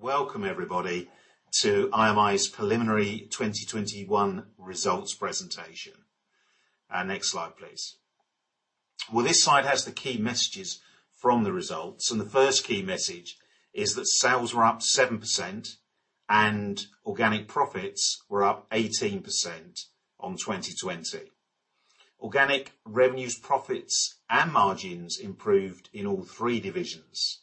Welcome everybody to IMI's preliminary 2021 results presentation. Next slide, please. Well, this slide has the key messages from the results, and the first key message is that sales were up 7% and organic profits were up 18% on 2020. Organic revenues, profits, and margins improved in all three divisions.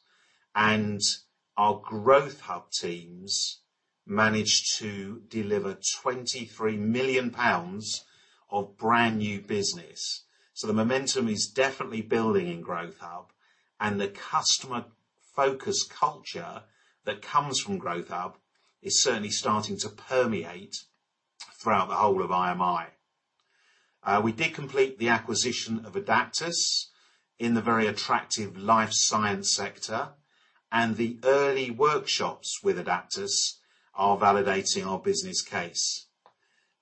Our Growth Hub teams managed to deliver 23 million pounds of brand-new business. The momentum is definitely building in Growth Hub, and the customer-focused culture that comes from Growth Hub is certainly starting to permeate throughout the whole of IMI. We did complete the acquisition of Adaptas in the very attractive life sciences sector, and the early workshops with Adaptas are validating our business case.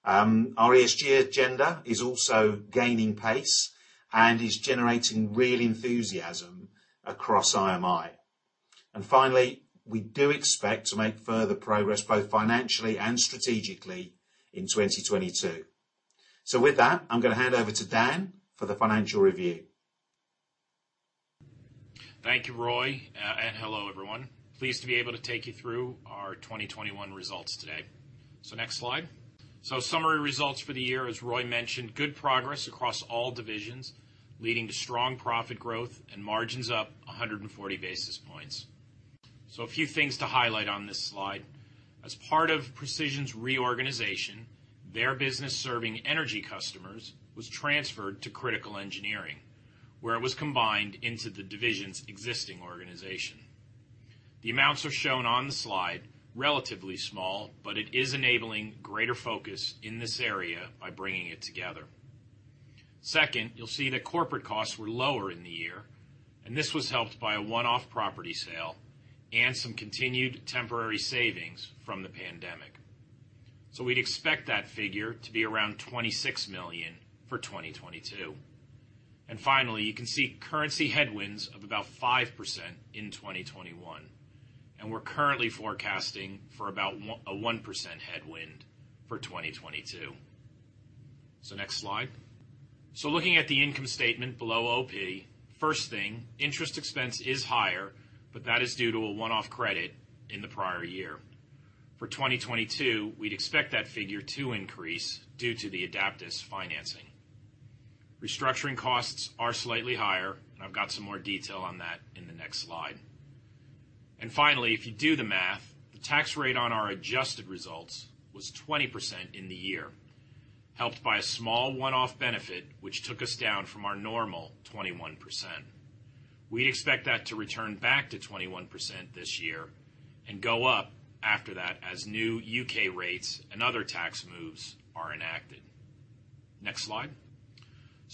Our ESG agenda is also gaining pace and is generating real enthusiasm across IMI. Finally, we do expect to make further progress, both financially and strategically, in 2022. With that, I'm gonna hand over to Dan for the financial review. Thank you, Roy, and hello, everyone. Pleased to be able to take you through our 2021 results today. Next slide. Summary results for the year, as Roy mentioned, good progress across all divisions, leading to strong profit growth and margins up 140 basis points. A few things to highlight on this slide. As part of Precision's reorganization, their business serving energy customers was transferred to Critical Engineering, where it was combined into the division's existing organization. The amounts are shown on the slide, relatively small, but it is enabling greater focus in this area by bringing it together. Second, you'll see that corporate costs were lower in the year, and this was helped by a one-off property sale and some continued temporary savings from the pandemic. We'd expect that figure to be around 26 million for 2022. Finally, you can see currency headwinds of about 5% in 2021. We're currently forecasting for about a 1% headwind for 2022. Next slide. Looking at the income statement below OP, first thing, interest expense is higher, but that is due to a one-off credit in the prior year. For 2022, we'd expect that figure to increase due to the Adaptas financing. Restructuring costs are slightly higher, and I've got some more detail on that in the next slide. Finally, if you do the math, the tax rate on our adjusted results was 20% in the year, helped by a small one-off benefit, which took us down from our normal 21%. We expect that to return back to 21% this year and go up after that as new U.K. rates and other tax moves are enacted. Next slide.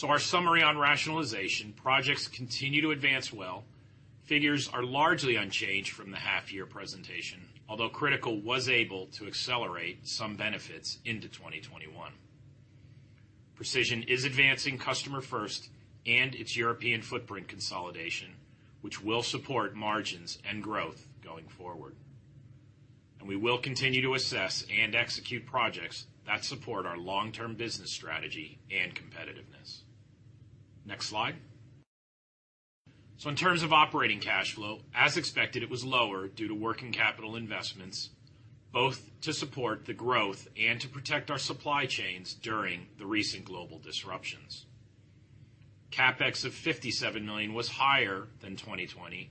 Our summary on rationalization. Projects continue to advance well. Figures are largely unchanged from the half-year presentation, although Critical was able to accelerate some benefits into 2021. Precision is advancing customer-first and its European footprint consolidation, which will support margins and growth going forward. We will continue to assess and execute projects that support our long-term business strategy and competitiveness. Next slide. In terms of operating cash flow, as expected, it was lower due to working capital investments, both to support the growth and to protect our supply chains during the recent global disruptions. CapEx of 57 million was higher than 2020,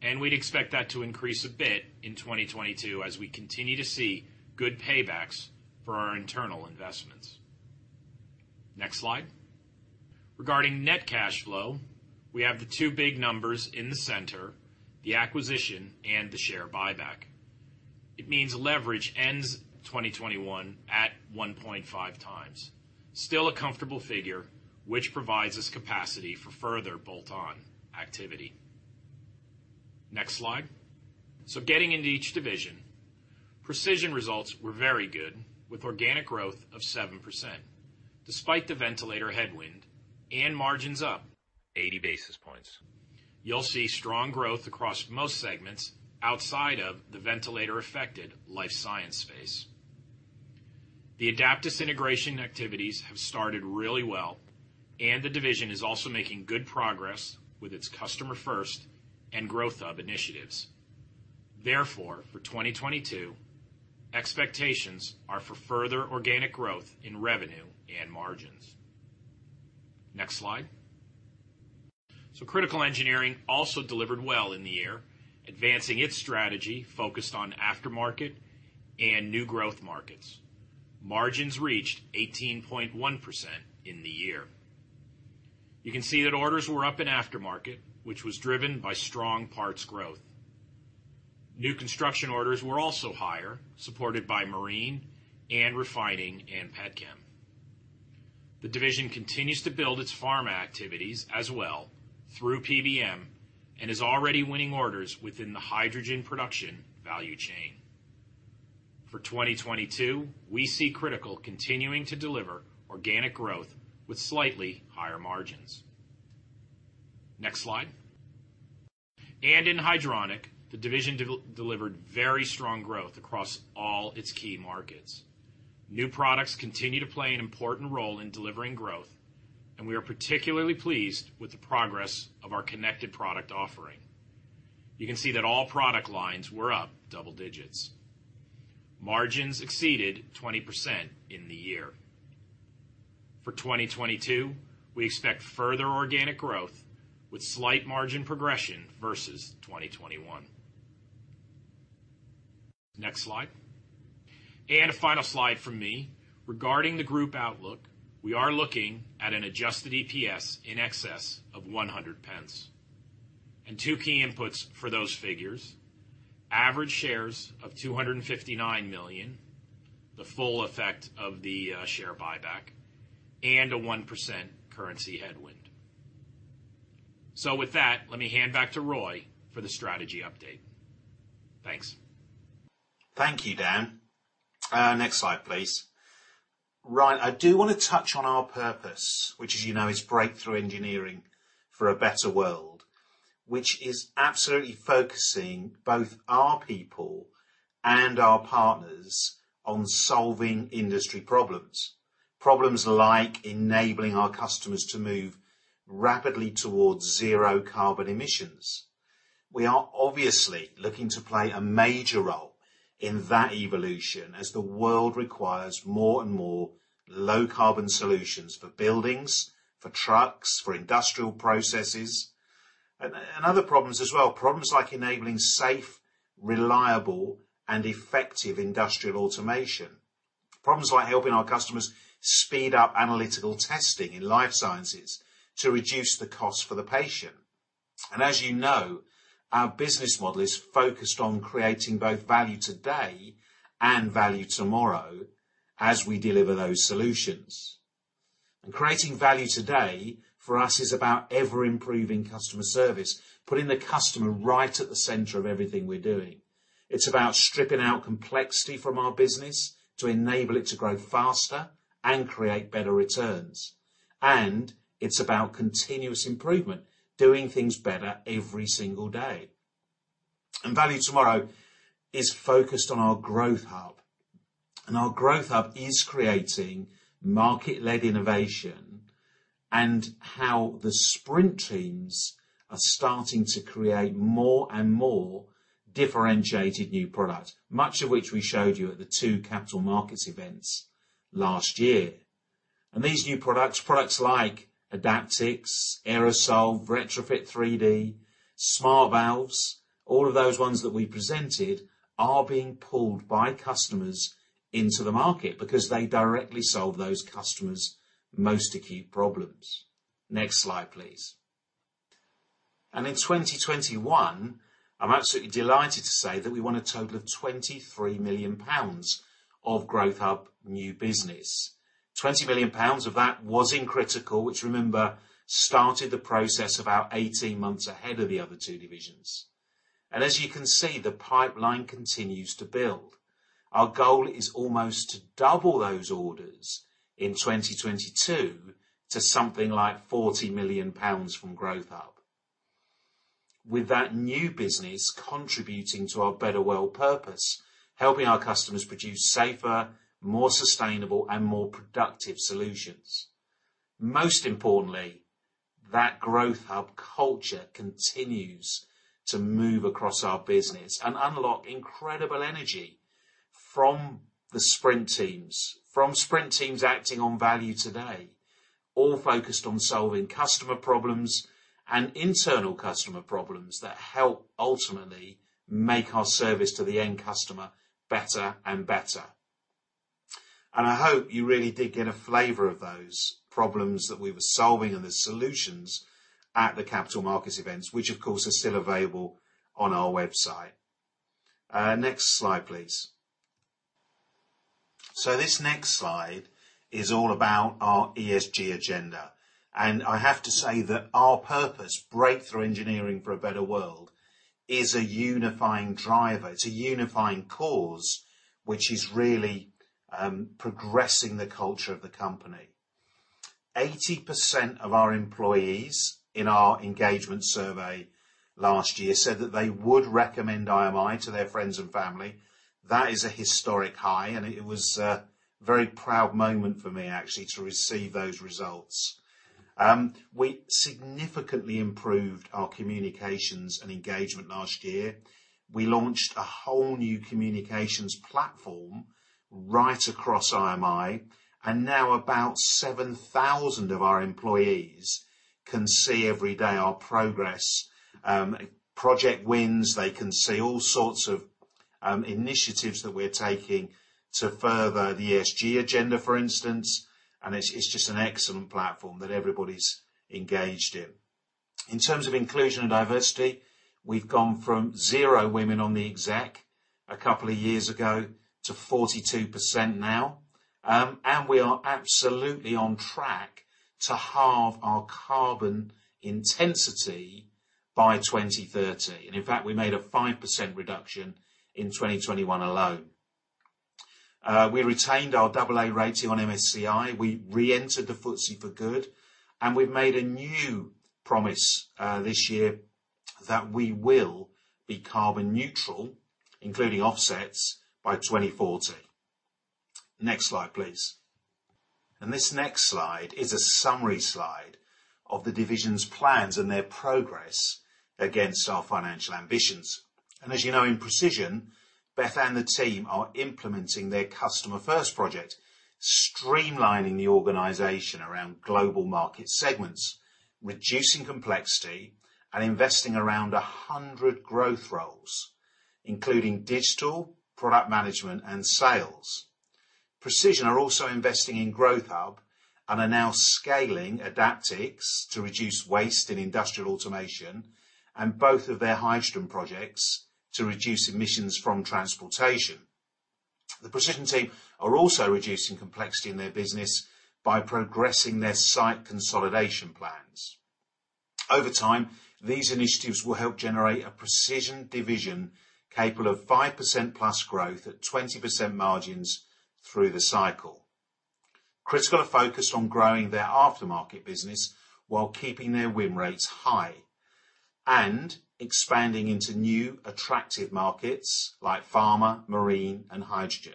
and we'd expect that to increase a bit in 2022 as we continue to see good paybacks for our internal investments. Next slide. Regarding net cash flow, we have the two big numbers in the center, the acquisition and the share buyback. It means leverage ends 2021 at 1.5x. Still a comfortable figure, which provides us capacity for further bolt-on activity. Next slide. Getting into each division, Precision results were very good with organic growth of 7%, despite the ventilator headwind and margins up 80 basis points. You'll see strong growth across most segments outside of the ventilator-affected life science space. The Adaptas integration activities have started really well, and the division is also making good progress with its customer-first and Growth Hub initiatives. Therefore, for 2022, expectations are for further organic growth in revenue and margins. Next slide. Critical Engineering also delivered well in the year, advancing its strategy focused on aftermarket and new growth markets. Margins reached 18.1% in the year. You can see that orders were up in aftermarket, which was driven by strong parts growth. New construction orders were also higher, supported by marine and refining and petchem. The division continues to build its pharma activities as well through PBM and is already winning orders within the hydrogen production value chain. For 2022, we see Critical continuing to deliver organic growth with slightly higher margins. Next slide. In Hydronic, the division delivered very strong growth across all its key markets. New products continue to play an important role in delivering growth, and we are particularly pleased with the progress of our connected product offering. You can see that all product lines were up double digits. Margins exceeded 20% in the year. For 2022, we expect further organic growth with slight margin progression versus 2021. Next slide. A final slide from me regarding the group outlook. We are looking at an adjusted EPS in excess of 1. Two key inputs for those figures, average shares of 259 million, the full effect of the share buyback, and a 1% currency headwind. With that, let me hand back to Roy for the strategy update. Thanks. Thank you, Dan. Next slide, please. Right. I do wanna touch on our purpose, which as you know is breakthrough engineering for a better world, which is absolutely focusing both our people and our partners on solving industry problems. Problems like enabling our customers to move rapidly towards zero carbon emissions. We are obviously looking to play a major role in that evolution as the world requires more and more low carbon solutions for buildings, for trucks, for industrial processes, and other problems as well. Problems like enabling safe, reliable, and effective industrial automation. Problems like helping our customers speed up analytical testing in life sciences to reduce the cost for the patient. As you know, our business model is focused on creating both value today and value tomorrow as we deliver those solutions. Creating value today, for us, is about ever improving customer service, putting the customer right at the center of everything we're doing. It's about stripping out complexity from our business to enable it to grow faster and create better returns. It's about continuous improvement, doing things better every single day. Value tomorrow is focused on our Growth Hub, and our Growth Hub is creating market-led innovation and how the sprint teams are starting to create more and more differentiated new product, much of which we showed you at the two Capital Markets events last year. These new products like Adaptix, Aerosol, Retrofit3D, Smart Valves, all of those ones that we presented are being pulled by customers into the market because they directly solve those customers' most acute problems. Next slide, please. In 2021, I'm absolutely delighted to say that we won a total of 23 million pounds of Growth Hub new business. 20 million pounds of that was in Critical, which remember, started the process about 18 months ahead of the other two divisions. As you can see, the pipeline continues to build. Our goal is almost to double those orders in 2022 to something like 40 million pounds from Growth Hub with that new business contributing to our better world purpose, helping our customers produce safer, more sustainable, and more productive solutions. Most importantly, that Growth Hub culture continues to move across our business and unlock incredible energy from the sprint teams acting on value today, all focused on solving customer problems and internal customer problems that help ultimately make our service to the end customer better and better. I hope you really did get a flavor of those problems that we were solving and the solutions at the Capital Markets events, which of course are still available on our website. Next slide, please. This next slide is all about our ESG agenda, and I have to say that our purpose, breakthrough engineering for a better world, is a unifying driver. It's a unifying cause, which is really progressing the culture of the company. 80% of our employees in our engagement survey last year said that they would recommend IMI to their friends and family. That is a historic high, and it was a very proud moment for me actually to receive those results. We significantly improved our communications and engagement last year. We launched a whole new communications platform right across IMI, and now about 7,000 of our employees can see every day our progress, project wins. They can see all sorts of initiatives that we're taking to further the ESG agenda, for instance, and it's just an excellent platform that everybody's engaged in. In terms of inclusion and diversity, we've gone from zero women on the Exec a couple of years ago to 42% now. We are absolutely on track to halve our carbon intensity by 2030. In fact, we made a 5% reduction in 2021 alone. We retained our AA rating on MSCI. We reentered the FTSE4Good, and we've made a new promise this year that we will be carbon neutral, including offsets, by 2040. Next slide, please. This next slide is a summary slide of the division's plans and their progress against our financial ambitions. As you know, in Precision, Beth and the team are implementing their customer-first project, streamlining the organization around global market segments, reducing complexity and investing around 100 growth roles, including digital, product management, and sales. Precision are also investing in Growth Hub and are now scaling Adaptix to reduce waste in industrial automation and both of their hydrogen projects to reduce emissions from transportation. The Precision team are also reducing complexity in their business by progressing their site consolidation plans. Over time, these initiatives will help generate a Precision division capable of 5%+ growth at 20% margins through the cycle. Critical are focused on growing their aftermarket business while keeping their win rates high and expanding into new, attractive markets like pharma, marine and hydrogen.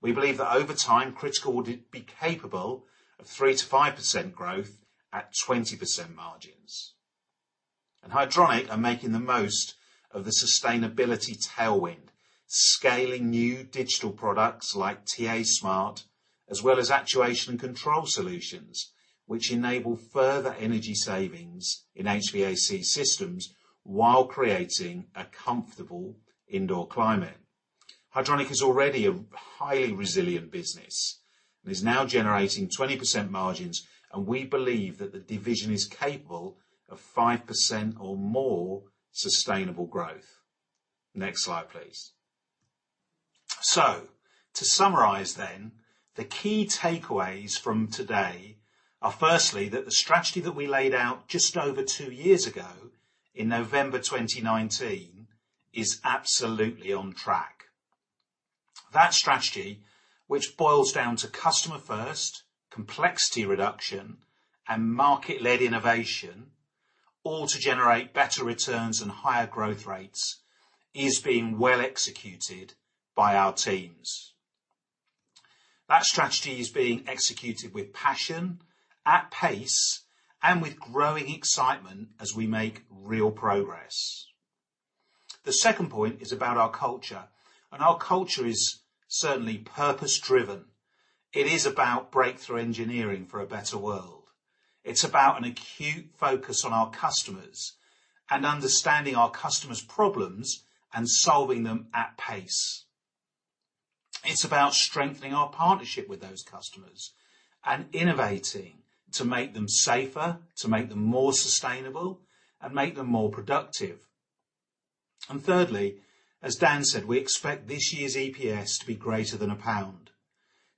We believe that over time, Critical would be capable of 3%-5% growth at 20% margins. Hydronic are making the most of the sustainability tailwind, scaling new digital products like TA-Smart, as well as actuation and control solutions, which enable further energy savings in HVAC systems while creating a comfortable indoor climate. Hydronic is already a highly resilient business and is now generating 20% margins, and we believe that the division is capable of 5% or more sustainable growth. Next slide, please. To summarize then, the key takeaways from today are firstly, that the strategy that we laid out just over two years ago in November 2019 is absolutely on track. That strategy, which boils down to customer-first, complexity reduction and market-led innovation, all to generate better returns and higher growth rates, is being well executed by our teams. That strategy is being executed with passion, at pace, and with growing excitement as we make real progress. The second point is about our culture, and our culture is certainly purpose-driven. It is about breakthrough engineering for a better world. It's about an acute focus on our customers and understanding our customers' problems and solving them at pace. It's about strengthening our partnership with those customers and innovating to make them safer, to make them more sustainable and make them more productive. Thirdly, as Dan said, we expect this year's EPS to be greater than a pound,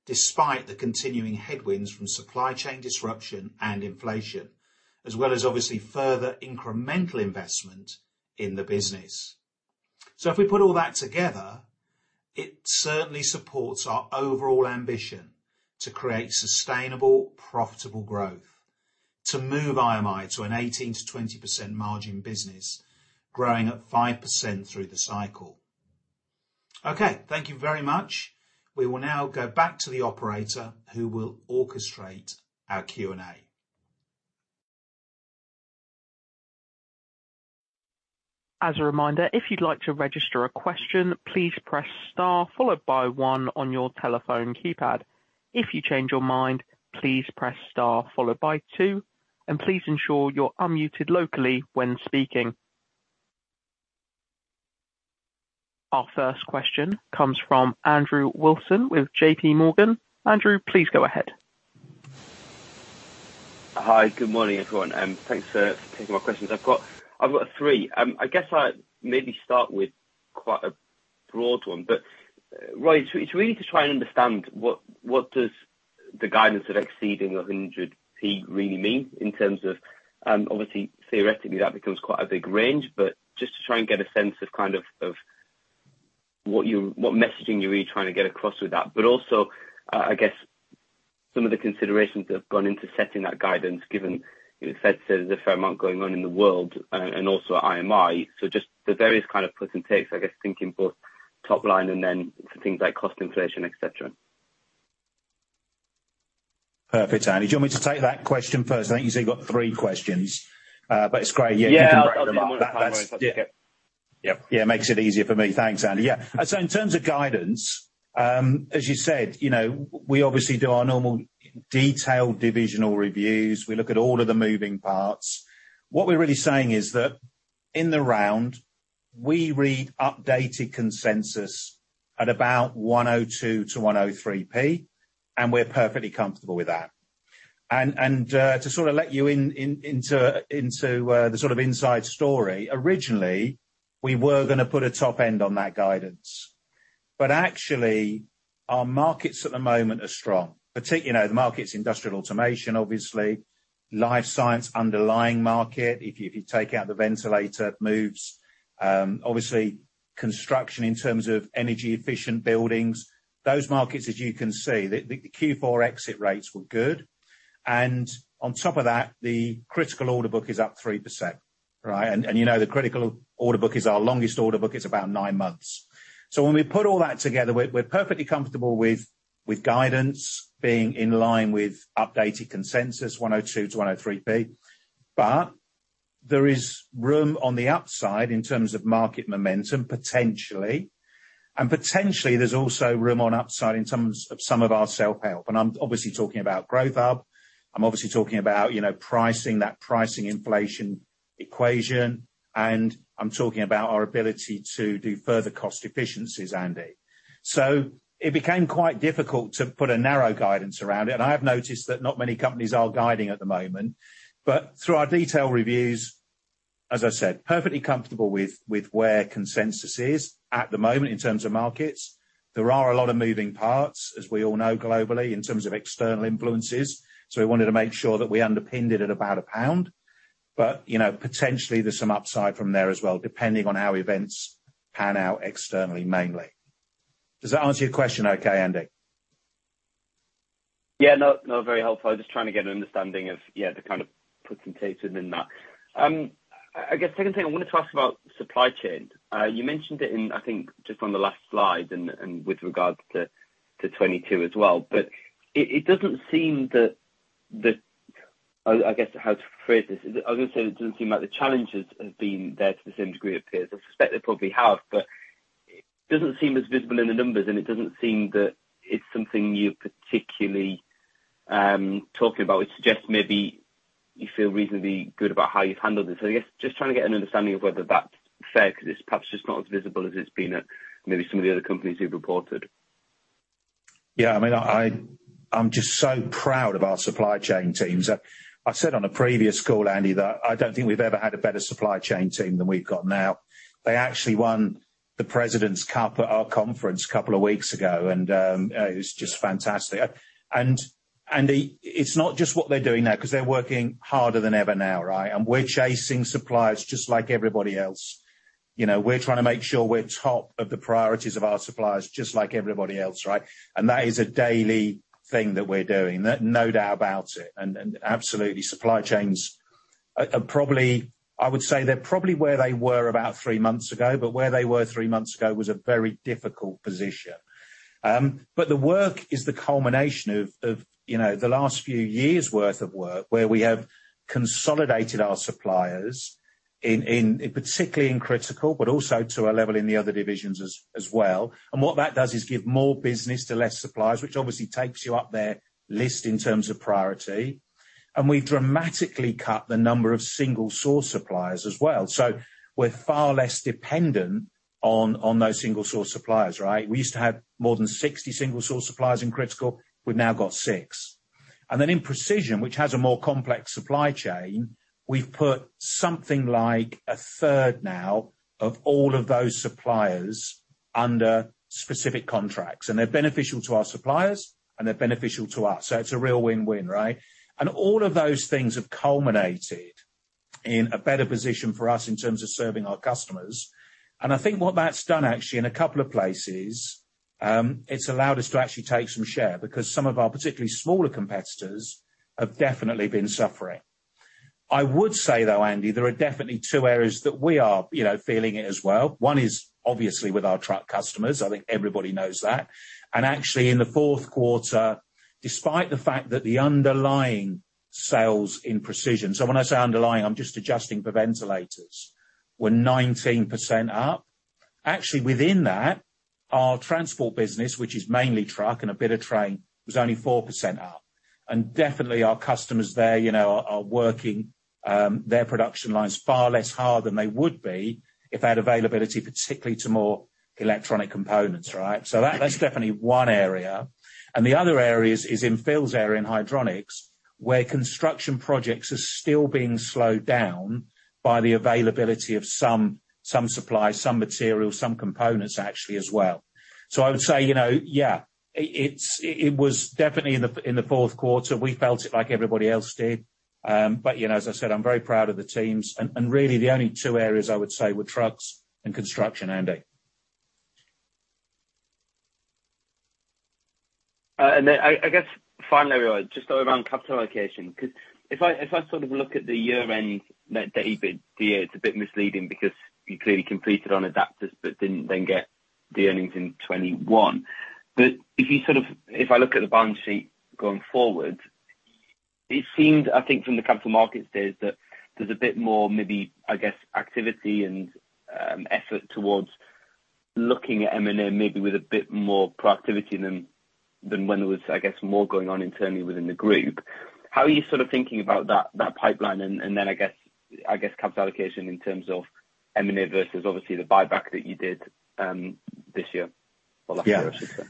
despite the continuing headwinds from supply chain disruption and inflation, as well as obviously further incremental investment in the business. If we put all that together, it certainly supports our overall ambition to create sustainable, profitable growth, to move IMI to an 18%-20% margin business growing at 5% through the cycle. Okay, thank you very much. We will now go back to the operator who will orchestrate our Q&A. As a reminder, if you'd like to register a question, please press star followed by one on your telephone keypad. If you change your mind, please press star followed by two, and please ensure you're unmuted locally when speaking. Our first question comes from Andrew Wilson with JPMorgan. Andrew, please go ahead. Hi. Good morning, everyone, and thanks for taking my questions. I've got three. I guess I'll maybe start with quite a broad one, but right, it's really to try and understand what does the guidance of exceeding 1 really mean in terms of, obviously theoretically, that becomes quite a big range, but just to try and get a sense of kind of what messaging you're really trying to get across with that. But also, I guess, some of the considerations that have gone into setting that guidance, given, you know, the fact there's a fair amount going on in the world, and also at IMI. Just the various kind of puts and takes, I guess, thinking both top line and then for things like cost inflation, et cetera. Perfect, Andy. Do you want me to take that question first? I think you said you got three questions. It's great, yeah. Yeah. I'll tell them one at a time. You can break them up. That's. Yeah. Yep. Yeah, it makes it easier for me. Thanks, Andy. Yeah. In terms of guidance, as you said, you know, we obviously do our normal detailed divisional reviews. We look at all of the moving parts. What we're really saying is that in the round, we're at updated consensus at about 1.02-1.03, and we're perfectly comfortable with that. To sort of let you into the sort of inside story, originally, we were gonna put a top end on that guidance. Actually our markets at the moment are strong, you know, the markets, industrial automation, obviously, life science underlying market, if you take out the ventilator moves, obviously construction in terms of energy efficient buildings. Those markets, as you can see, the Q4 exit rates were good. On top of that, the Critical order book is up 3%, right? You know the Critical order book is our longest order book, it's about nine months. When we put all that together, we're perfectly comfortable with guidance being in line with updated consensus 1.02-1.03. There is room on the upside in terms of market momentum, potentially. Potentially there's also room on upside in terms of some of our self-help. I'm obviously talking about Growth Hub, I'm obviously talking about, you know, pricing, that pricing inflation equation, and I'm talking about our ability to do further cost efficiencies, Andy. It became quite difficult to put a narrow guidance around it, and I have noticed that not many companies are guiding at the moment. Through our detailed reviews, as I said, perfectly comfortable with where consensus is at the moment in terms of markets. There are a lot of moving parts, as we all know globally, in terms of external influences, so we wanted to make sure that we underpinned it at about a pound. You know, potentially there's some upside from there as well, depending on how events pan out externally mainly. Does that answer your question okay, Andy? Yeah. No, no, very helpful. I was just trying to get an understanding of, yeah, to kind of put some teeth into that. I guess second thing, I wanna talk about supply chain. You mentioned it in, I think, just on the last slide and with regards to 2022 as well. It doesn't seem that the challenges have been there to the same degree it appears. I suspect they probably have, but it doesn't seem as visible in the numbers, and it doesn't seem that it's something you're particularly talking about, which suggests maybe you feel reasonably good about how you've handled it. I guess just trying to get an understanding of whether that's fair because it's perhaps just not as visible as it's been at maybe some of the other companies who've reported. Yeah. I mean, I'm just so proud of our supply chain teams. I said on a previous call, Andy, that I don't think we've ever had a better supply chain team than we've got now. They actually won the President's Cup at our conference a couple of weeks ago, and it was just fantastic. Andy, it's not just what they're doing now, 'cause they're working harder than ever now, right? We're chasing suppliers just like everybody else. You know, we're trying to make sure we're top of the priorities of our suppliers just like everybody else, right? That is a daily thing that we're doing. No doubt about it. Absolutely, I would say supply chains are probably where they were about three months ago, but where they were three months ago was a very difficult position. The work is the culmination of you know the last few years' worth of work, where we have consolidated our suppliers in particularly in Critical, but also to a level in the other divisions as well. What that does is give more business to less suppliers, which obviously takes you up their list in terms of priority. We've dramatically cut the number of single source suppliers as well. We're far less dependent on those single source suppliers, right? We used to have more than 60 single source suppliers in Critical. We've now got six. Then in Precision, which has a more complex supply chain, we've put something like a third now of all of those suppliers under specific contracts. They're beneficial to our suppliers, and they're beneficial to us, so it's a real win-win, right? All of those things have culminated in a better position for us in terms of serving our customers. I think what that's done actually in a couple of places, it's allowed us to actually take some share, because some of our particularly smaller competitors have definitely been suffering. I would say, though, Andy, there are definitely two areas that we are, you know, feeling it as well. One is obviously with our truck customers. I think everybody knows that. Actually in the fourth quarter, despite the fact that the underlying sales in Precision, so when I say underlying, I'm just adjusting for ventilators, were 19% up. Actually, within that, our transport business, which is mainly truck and a bit of train, was only 4% up. Definitely our customers there, you know, are working their production lines far less hard than they would be if they had availability, particularly to more electronic components, right? That's definitely one area. The other area is in Phil's area, in Hydronics, where construction projects are still being slowed down by the availability of some suppliers, some materials, some components actually as well. I would say, you know, yeah, it was definitely in the fourth quarter, we felt it like everybody else did. But, you know, as I said, I'm very proud of the teams. Really the only two areas I would say were trucks and construction, Andy. I guess finally, just around capital allocation, 'cause if I sort of look at the year-end net debt EBITDA, it's a bit misleading because you clearly completed on Adaptas but didn't then get the earnings in 2021. If I look at the balance sheet going forward, it seems, I think from the Capital Markets Days that there's a bit more maybe, I guess, activity and effort towards looking at M&A maybe with a bit more proactivity than when there was, I guess, more going on internally within the group. How are you sort of thinking about that pipeline? Then I guess capital allocation in terms of M&A versus obviously the buyback that you did this year or last year, I should say.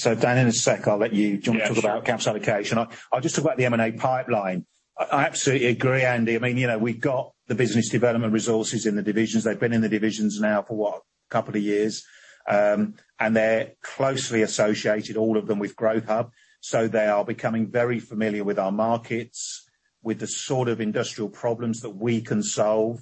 Dan, in a sec, I'll let you. Yeah, sure. Do you wanna talk about capital allocation? I'll just talk about the M&A pipeline. I absolutely agree, Andy. I mean, you know, we've got the business development resources in the divisions. They've been in the divisions now for what? A couple of years. They're closely associated, all of them, with Growth Hub. They are becoming very familiar with our markets, with the sort of industrial problems that we can solve.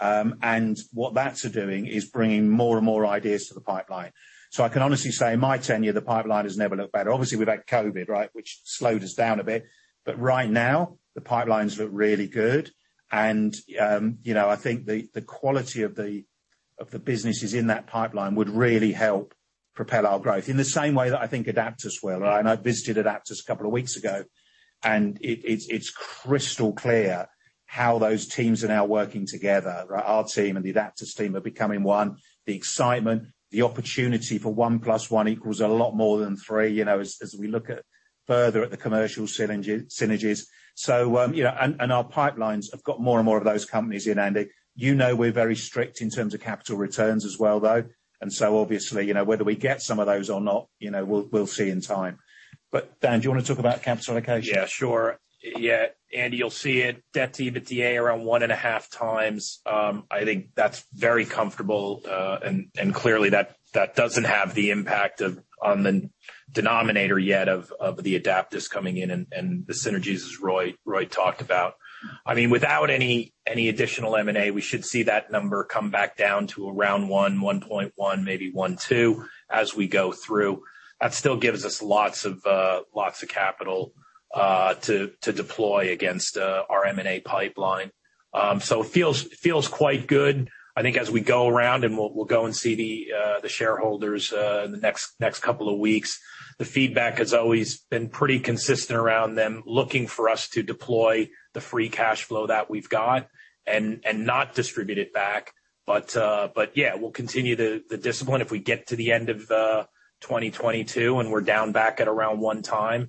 What that's doing is bringing more and more ideas to the pipeline. I can honestly say in my tenure, the pipeline has never looked better. Obviously, we've had COVID, right, which slowed us down a bit. Right now, the pipelines look really good and, you know, I think the quality of the businesses in that pipeline would really help propel our growth. In the same way that I think Adaptas will, right? I visited Adaptas a couple of weeks ago, and it's crystal clear how those teams are now working together, right? Our team and the Adaptas team are becoming one. The excitement, the opportunity for one plus one equals a lot more than three, you know, as we look further at the commercial synergies. Our pipelines have got more and more of those companies in, Andy. You know we're very strict in terms of capital returns as well, though. Obviously, you know, whether we get some of those or not, you know, we'll see in time. Dan, do you wanna talk about capital allocation? Yeah, sure. Yeah. Andy, you'll see it, debt to EBITDA around 1.5x. I think that's very comfortable. Clearly that doesn't have the impact on the denominator yet of the Adaptas coming in and the synergies, as Roy talked about. I mean, without any additional M&A, we should see that number come back down to around 1.1x, maybe 1.2x as we go through. That still gives us lots of capital to deploy against our M&A pipeline. It feels quite good. I think as we go around and we'll go and see the shareholders in the next couple of weeks. The feedback has always been pretty consistent around them, looking for us to deploy the free cash flow that we've got and not distribute it back. Yeah, we'll continue the discipline. If we get to the end of 2022 and we're down back at around 1x,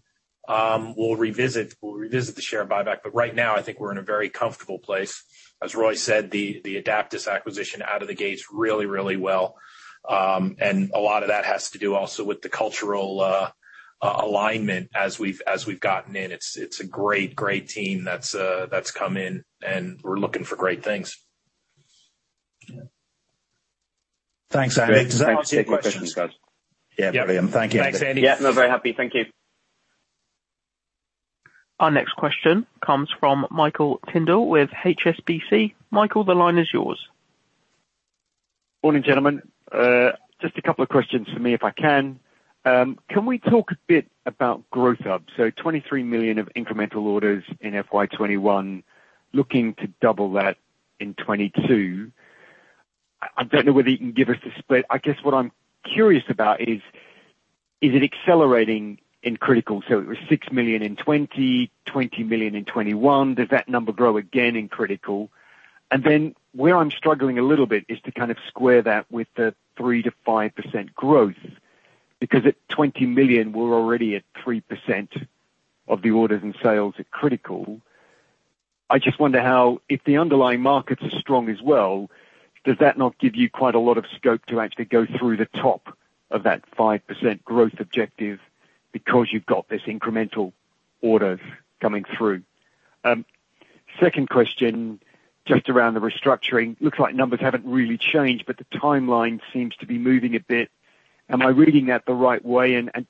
we'll revisit the share buyback. Right now I think we're in a very comfortable place. As Roy said, the Adaptas acquisition out of the gates really well. A lot of that has to do also with the cultural alignment as we've gotten in. It's a great team that's come in and we're looking for great things. Yeah. Thanks, Andy. Does that answer your question? Thanks. Take care. Thanks, guys. Yeah, brilliant. Thank you, Andy. Thanks, Andy. Yeah. No, very happy. Thank you. Our next question comes from Michael Tyndall with HSBC. Michael, the line is yours. Morning, gentlemen. Just a couple of questions from me if I can. Can we talk a bit about Growth Hub? 23 million of incremental orders in FY 2021, looking to double that in 2022. I don't know whether you can give us a split. I guess what I'm curious about is it accelerating in Critical? It was 6 million in 2020, 20 million in 2021. Does that number grow again in Critical? Where I'm struggling a little bit is to kind of square that with the 3%-5% growth, because at 20 million, we're already at 3% of the orders and sales at Critical. I just wonder how, if the underlying markets are strong as well, does that not give you quite a lot of scope to actually go through the top of that 5% growth objective because you've got this incremental orders coming through? Second question, just around the restructuring. Looks like numbers haven't really changed, but the timeline seems to be moving a bit. Am I reading that the right way? And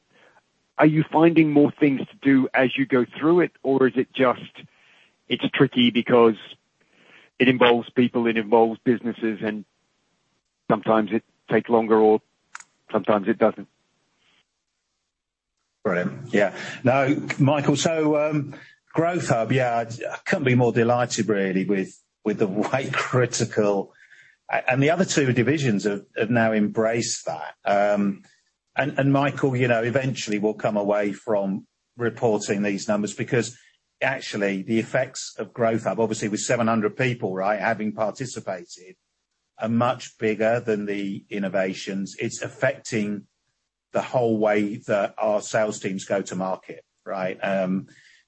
are you finding more things to do as you go through it? Or is it just, it's tricky because it involves people, it involves businesses, and sometimes it takes longer or sometimes it doesn't? Brilliant. Yeah. No, Michael, so, Growth Hub, yeah, I couldn't be more delighted really with the way Critical and the other two divisions have now embraced that. Michael, you know, eventually we'll come away from reporting these numbers because actually the effects of Growth Hub, obviously with 700 people, right, having participated, are much bigger than the innovations. It's affecting the whole way that our sales teams go to market, right?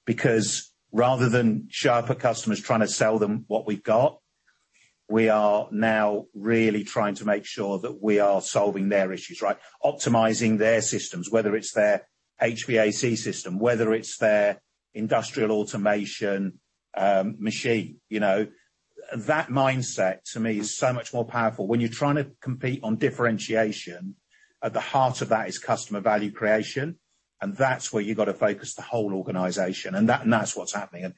Because rather than serving customers trying to sell them what we've got, we are now really trying to make sure that we are solving their issues, right? Optimizing their systems, whether it's their HVAC system, whether it's their industrial automation, machine, you know? That mindset to me is so much more powerful. When you're trying to compete on differentiation, at the heart of that is customer value creation, and that's where you've got to focus the whole organization, and that's what's happening.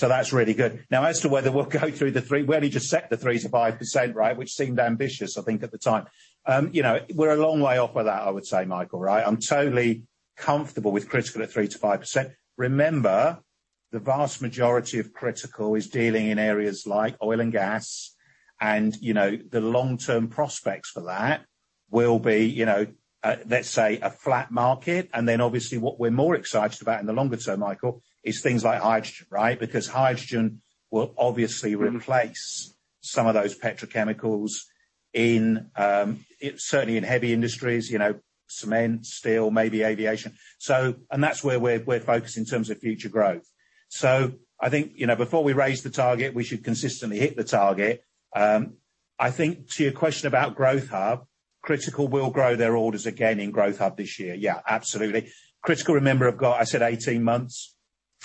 That's really good. Now, as to whether we'll go through the 3%-5%. We only just set the 3%-5%, right? Which seemed ambitious, I think at the time. You know, we're a long way off of that, I would say, Michael, right? I'm totally comfortable with Critical at 3%-5%. Remember, the vast majority of Critical is dealing in areas like oil and gas. You know, the long-term prospects for that will be, let's say a flat market. Obviously what we're more excited about in the longer term, Michael, is things like hydrogen, right? Because hydrogen will obviously replace some of those petrochemicals in, certainly in heavy industries, you know, cement, steel, maybe aviation. That's where we're focused in terms of future growth. I think, you know, before we raise the target, we should consistently hit the target. I think to your question about Growth Hub, Critical will grow their orders again in Growth Hub this year. Yeah, absolutely. Critical, remember, have got, I said 18 months,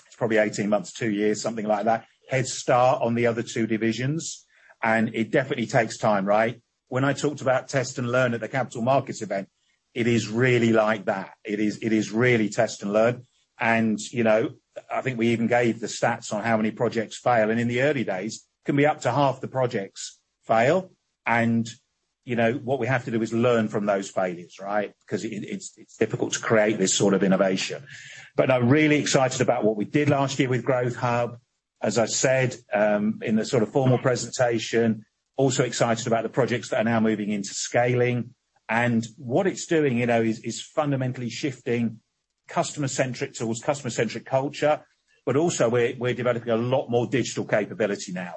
it's probably 18 months, two years, something like that, head start on the other two divisions, and it definitely takes time, right? When I talked about test and learn at the Capital Markets event, it is really like that. It is really test and learn. You know, I think we even gave the stats on how many projects fail, and in the early days it can be up to half the projects fail. You know, what we have to do is learn from those failures, right? 'Cause it's difficult to create this sort of innovation. But I'm really excited about what we did last year with Growth Hub. As I said, in the sort of formal presentation, also excited about the projects that are now moving into scaling. What it's doing, you know, is fundamentally shifting customer-centric tools, customer-centric culture, but also we're developing a lot more digital capability now.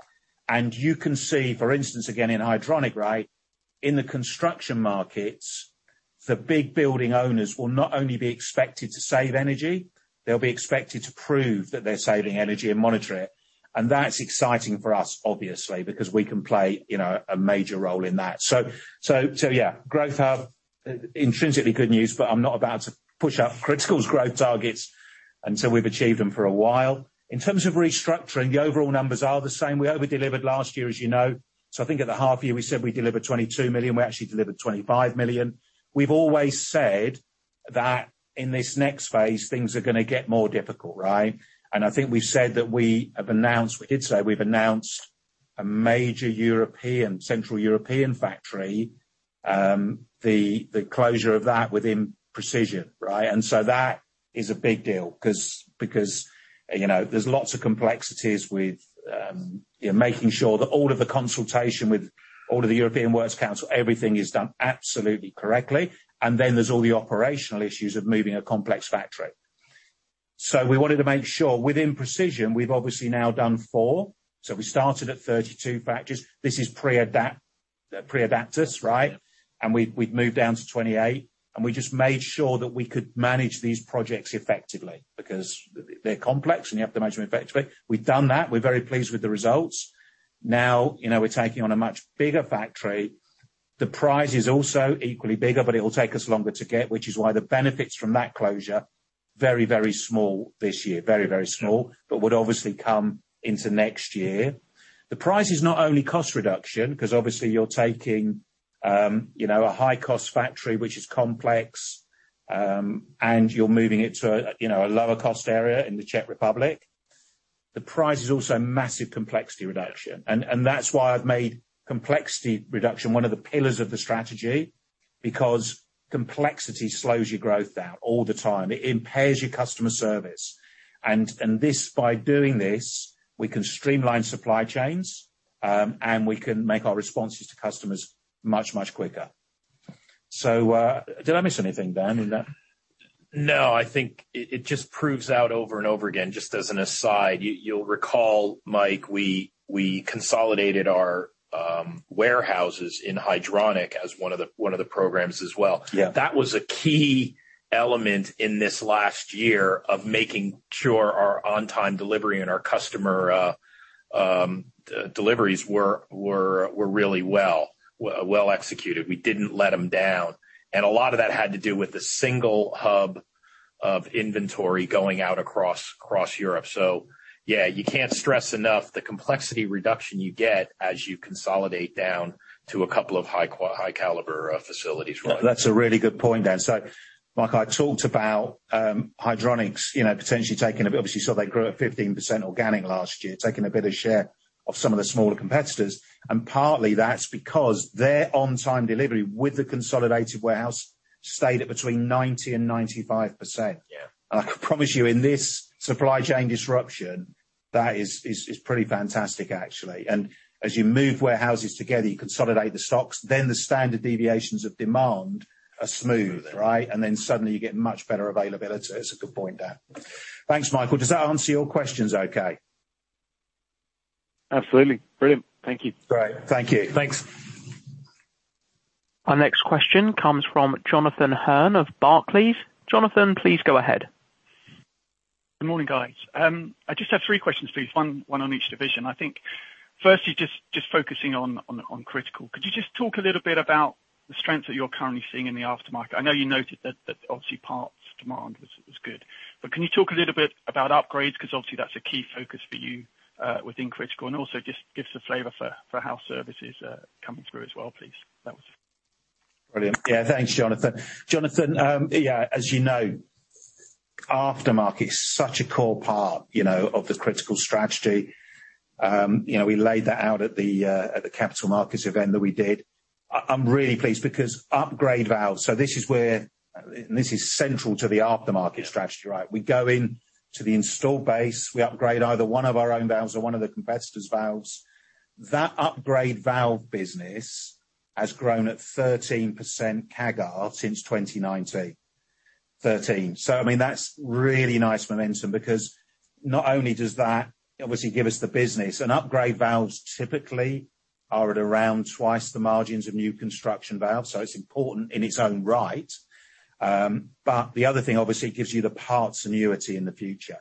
You can see, for instance, again in Hydronic, right? In the construction markets, the big building owners will not only be expected to save energy, they'll be expected to prove that they're saving energy and monitor it. That's exciting for us, obviously, because we can play, you know, a major role in that. Yeah, Growth Hub, intrinsically good news, but I'm not about to push up Critical's growth targets until we've achieved them for a while. In terms of restructuring, the overall numbers are the same. We over-delivered last year, as you know. I think at the half year we said we delivered 22 million, we actually delivered 25 million. We've always said that in this next phase things are gonna get more difficult, right? I think we said that we did say we've announced a major Central European factory closure within Precision, right? That is a big deal because, you know, there's lots of complexities with, you know, making sure that all of the consultation with all of the European Works Council, everything is done absolutely correctly. There's all the operational issues of moving a complex factory. We wanted to make sure within Precision, we've obviously now done four. We started at 32 factories. This is pre-Adaptas, right? We'd moved down to 28, and we just made sure that we could manage these projects effectively because they're complex and you have to manage them effectively. We've done that. We're very pleased with the results. Now, you know, we're taking on a much bigger factory. The prize is also equally bigger, but it will take us longer to get, which is why the benefits from that closure, very, very small this year. Very, very small, but would obviously come into next year. The prize is not only cost reduction, 'cause obviously you're taking, you know, a high-cost factory which is complex, and you're moving it to, you know, a lower cost area in the Czech Republic. The prize is also massive complexity reduction and that's why I've made complexity reduction one of the pillars of the strategy because complexity slows your growth down all the time. It impairs your customer service. This, by doing this, we can streamline supply chains, and we can make our responses to customers much, much quicker. Did I miss anything, Dan, in that? No, I think it just proves out over and over again. Just as an aside, you'll recall, Mike, we consolidated our warehouses in Hydronic as one of the programs as well. Yeah. That was a key element in this last year of making sure our on-time delivery and our customer deliveries were really well executed. We didn't let them down. A lot of that had to do with the single hub of inventory going out across Europe. Yeah, you can't stress enough the complexity reduction you get as you consolidate down to a couple of high caliber facilities running. That's a really good point, Dan. Like I talked about, Hydronic's, you know, potentially taking a bit. Obviously, you saw they grew at 15% organic last year, taking a bit of share of some of the smaller competitors, and partly that's because their on-time delivery with the consolidated warehouse stayed at between 90% and 95%. Yeah. I can promise you in this supply chain disruption, that is pretty fantastic actually. As you move warehouses together, you consolidate the stocks, then the standard deviations of demand are smooth, right? Then suddenly you get much better availability. It's a good point, Dan. Thanks, Michael. Does that answer your questions okay? Absolutely. Brilliant. Thank you. Great. Thank you. Thanks. Our next question comes from Jonathan Hurn of Barclays. Jonathan, please go ahead. Good morning, guys. I just have three questions, please, one on each division. I think firstly just focusing on Critical. Could you just talk a little bit about the strengths that you're currently seeing in the aftermarket? I know you noted that obviously parts demand was good. But can you talk a little bit about upgrades? 'Cause obviously that's a key focus for you within Critical, and also just give us a flavor for how services are coming through as well, please. Brilliant. Yeah. Thanks, Jonathan. Jonathan, yeah, as you know, aftermarket is such a core part, you know, of the Critical strategy. You know, we laid that out at the Capital Markets event that we did. I'm really pleased because upgrade valves, so this is where, and this is central to the aftermarket strategy, right? We go into the installed base, we upgrade either one of our own valves or one of the competitor's valves. That upgrade valve business has grown at 13% CAGR since 2019. 13%. So I mean, that's really nice momentum because not only does that obviously give us the business, and upgrade valves typically are at around twice the margins of new construction valves, so it's important in its own right. The other thing, obviously, it gives you the parts annuity in the future.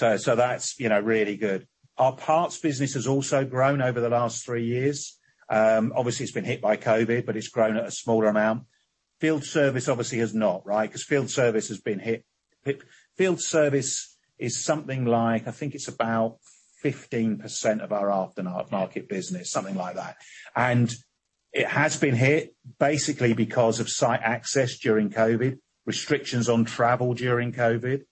That's, you know, really good. Our parts business has also grown over the last three years. Obviously it's been hit by COVID, but it's grown at a smaller amount. Field service obviously has not, right? Because field service has been hit. Field service is something like, I think it's about 15% of our aftermarket business, something like that. It has been hit basically because of site access during COVID, restrictions on travel during COVID.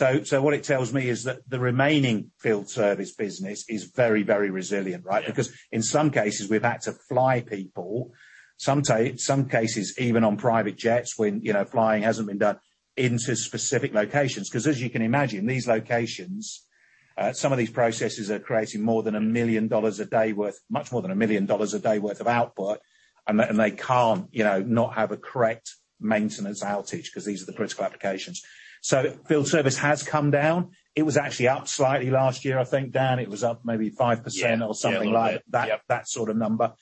What it tells me is that the remaining field service business is very, very resilient, right? Because in some cases, we've had to fly people. Some cases even on private jets when, you know, flying hasn't been done into specific locations. Because as you can imagine, these locations, some of these processes are creating more than a million dollar a day worth, much more than a million dollar a day worth of output, and they can't, you know, not have a correct maintenance outage 'cause these are the critical applications. Field service has come down. It was actually up slightly last year, I think, Dan, it was up maybe 5% or something like that. Yeah, a little bit. Yep. That sort of number.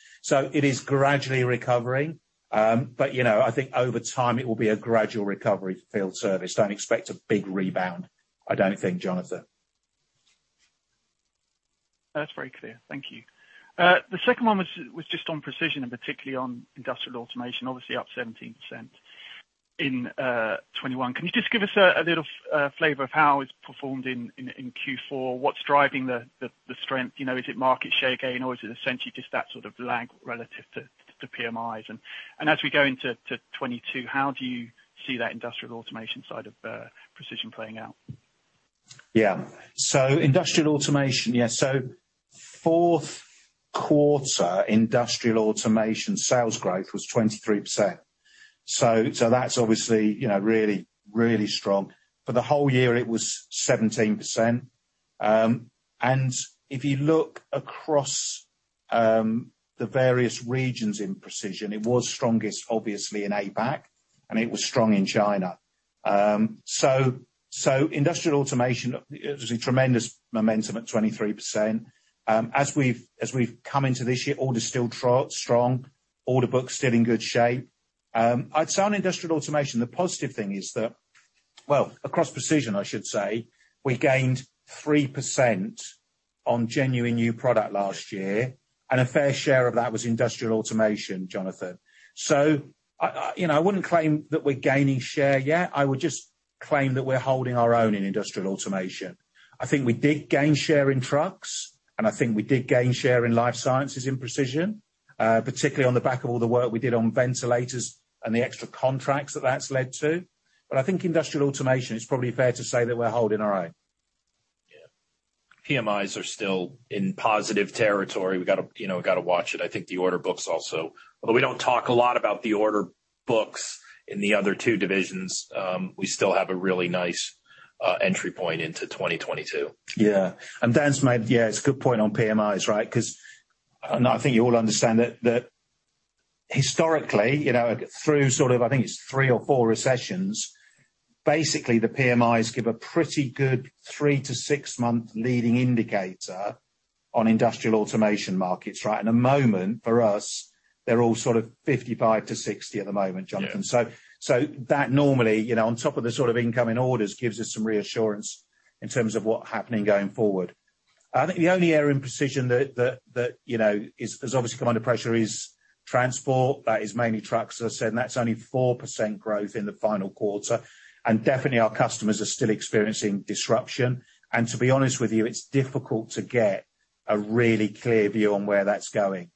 It is gradually recovering. You know, I think over time it will be a gradual recovery field service. Don't expect a big rebound, I don't think, Jonathan. That's very clear. Thank you. The second one was just on Precision and particularly on industrial automation, obviously up 17% in 2021. Can you just give us a little flavor of how it's performed in Q4? What's driving the strength? You know, is it market share gain or is it essentially just that sort of lag relative to PMIs? As we go into 2022, how do you see that industrial automation side of Precision playing out? Yeah. Industrial automation. Yeah, fourth quarter industrial automation sales growth was 23%. That's obviously, you know, really, really strong. For the whole year it was 17%. And if you look across the various regions in Precision, it was strongest, obviously in APAC, and it was strong in China. Industrial automation, it was a tremendous momentum at 23%. As we've come into this year, orders still strong. Order books still in good shape. I'd say on industrial automation, the positive thing is that. Well, across Precision, I should say, we gained 3% on genuine new product last year, and a fair share of that was industrial automation, Jonathan. I you know, I wouldn't claim that we're gaining share yet. I would just claim that we're holding our own in industrial automation. I think we did gain share in trucks, and I think we did gain share in life sciences in Precision, particularly on the back of all the work we did on ventilators and the extra contracts that that's led to. I think industrial automation, it's probably fair to say that we're holding our own. Yeah. PMIs are still in positive territory. We gotta, you know, watch it. I think the order books also, although we don't talk a lot about the order books in the other two divisions, we still have a really nice entry point into 2022. Yeah. Dan's made. Yeah, it's a good point on PMIs, right? 'Cause I think you all understand that historically, you know, through sort of, I think it's three or four recessions, basically the PMIs give a pretty good 3- to 6-month leading indicator on industrial automation markets, right? At the moment, for us, they're all sort of 55-60 at the moment, Jonathan. Yeah. That normally, you know, on top of the sort of incoming orders, gives us some reassurance in terms of what's happening going forward. I think the only area in Precision that you know is obviously has come under pressure is transport. That is mainly trucks, as I said, and that's only 4% growth in the final quarter. Definitely our customers are still experiencing disruption. To be honest with you, it's difficult to get a really clear view on where that's going.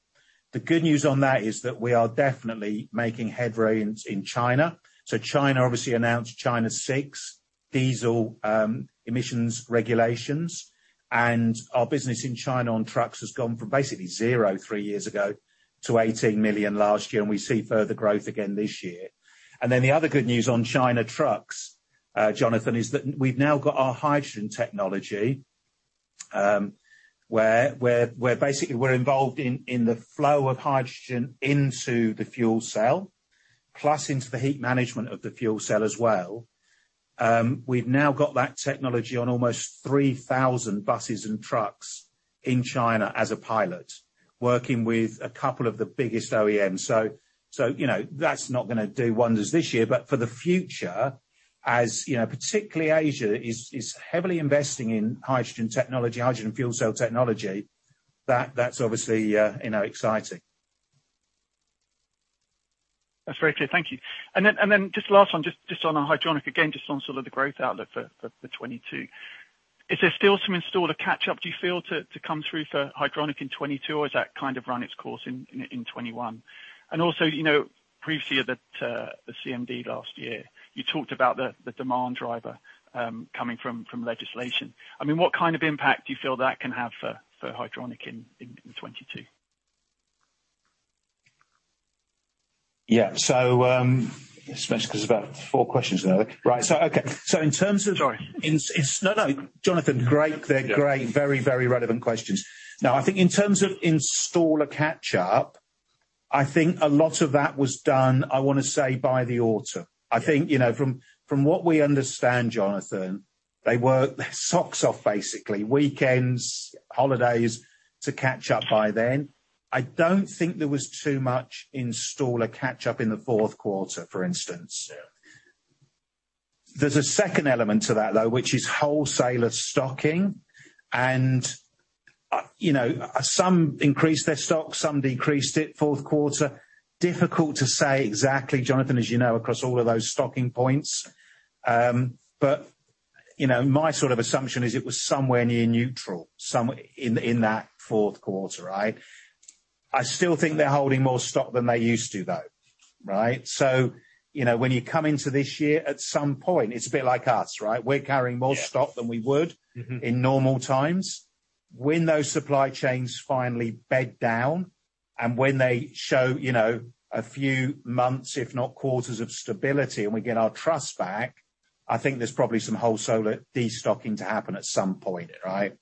The good news on that is that we are definitely making headway in China. China obviously announced China VI diesel emissions regulations, and our business in China on trucks has gone from basically zero three years ago to 18 million last year, and we see further growth again this year. The other good news on China trucks, Jonathan, is that we've now got our hydrogen technology, where basically we're involved in the flow of hydrogen into the fuel cell, plus into the heat management of the fuel cell as well. We've now got that technology on almost 3,000 buses and trucks in China as a pilot, working with a couple of the biggest OEMs. You know, that's not gonna do wonders this year, but for the future, as you know, particularly Asia is heavily investing in hydrogen technology, hydrogen fuel cell technology, that's obviously, you know, exciting. That's very clear. Thank you. Just last one, just on the Hydronic again, just on sort of the growth outlook for 2022. Is there still some installer catch up, do you feel to come through for Hydronic in 2022, or has that kind of run its course in 2021? Also, you know, previously at the CMD last year, you talked about the demand driver coming from legislation. I mean, what kind of impact do you feel that can have for Hydronic in 2022? Especially 'cause there's about four questions now. Right. In terms of- Sorry. Jonathan, great. They're great. Very, very relevant questions. Now, I think in terms of installer catch up, I think a lot of that was done, I wanna say, by the autumn. I think, you know, from what we understand, Jonathan, they worked their socks off basically, weekends, holidays, to catch up by then. I don't think there was too much installer catch up in the fourth quarter, for instance. Yeah. There's a second element to that, though, which is wholesaler stocking. You know, some increased their stock, some decreased it fourth quarter. Difficult to say exactly, Jonathan, as you know, across all of those stocking points. You know, my sort of assumption is it was somewhere near neutral in that fourth quarter, right. I still think they're holding more stock than they used to, though, right? You know, when you come into this year, at some point, it's a bit like us, right? We're carrying more- Yeah. stock than we would- Mm-hmm. in normal times. When those supply chains finally bed down and when they show, you know, a few months, if not quarters of stability, and we get our trust back, I think there's probably some wholesaler destocking to happen at some point, right?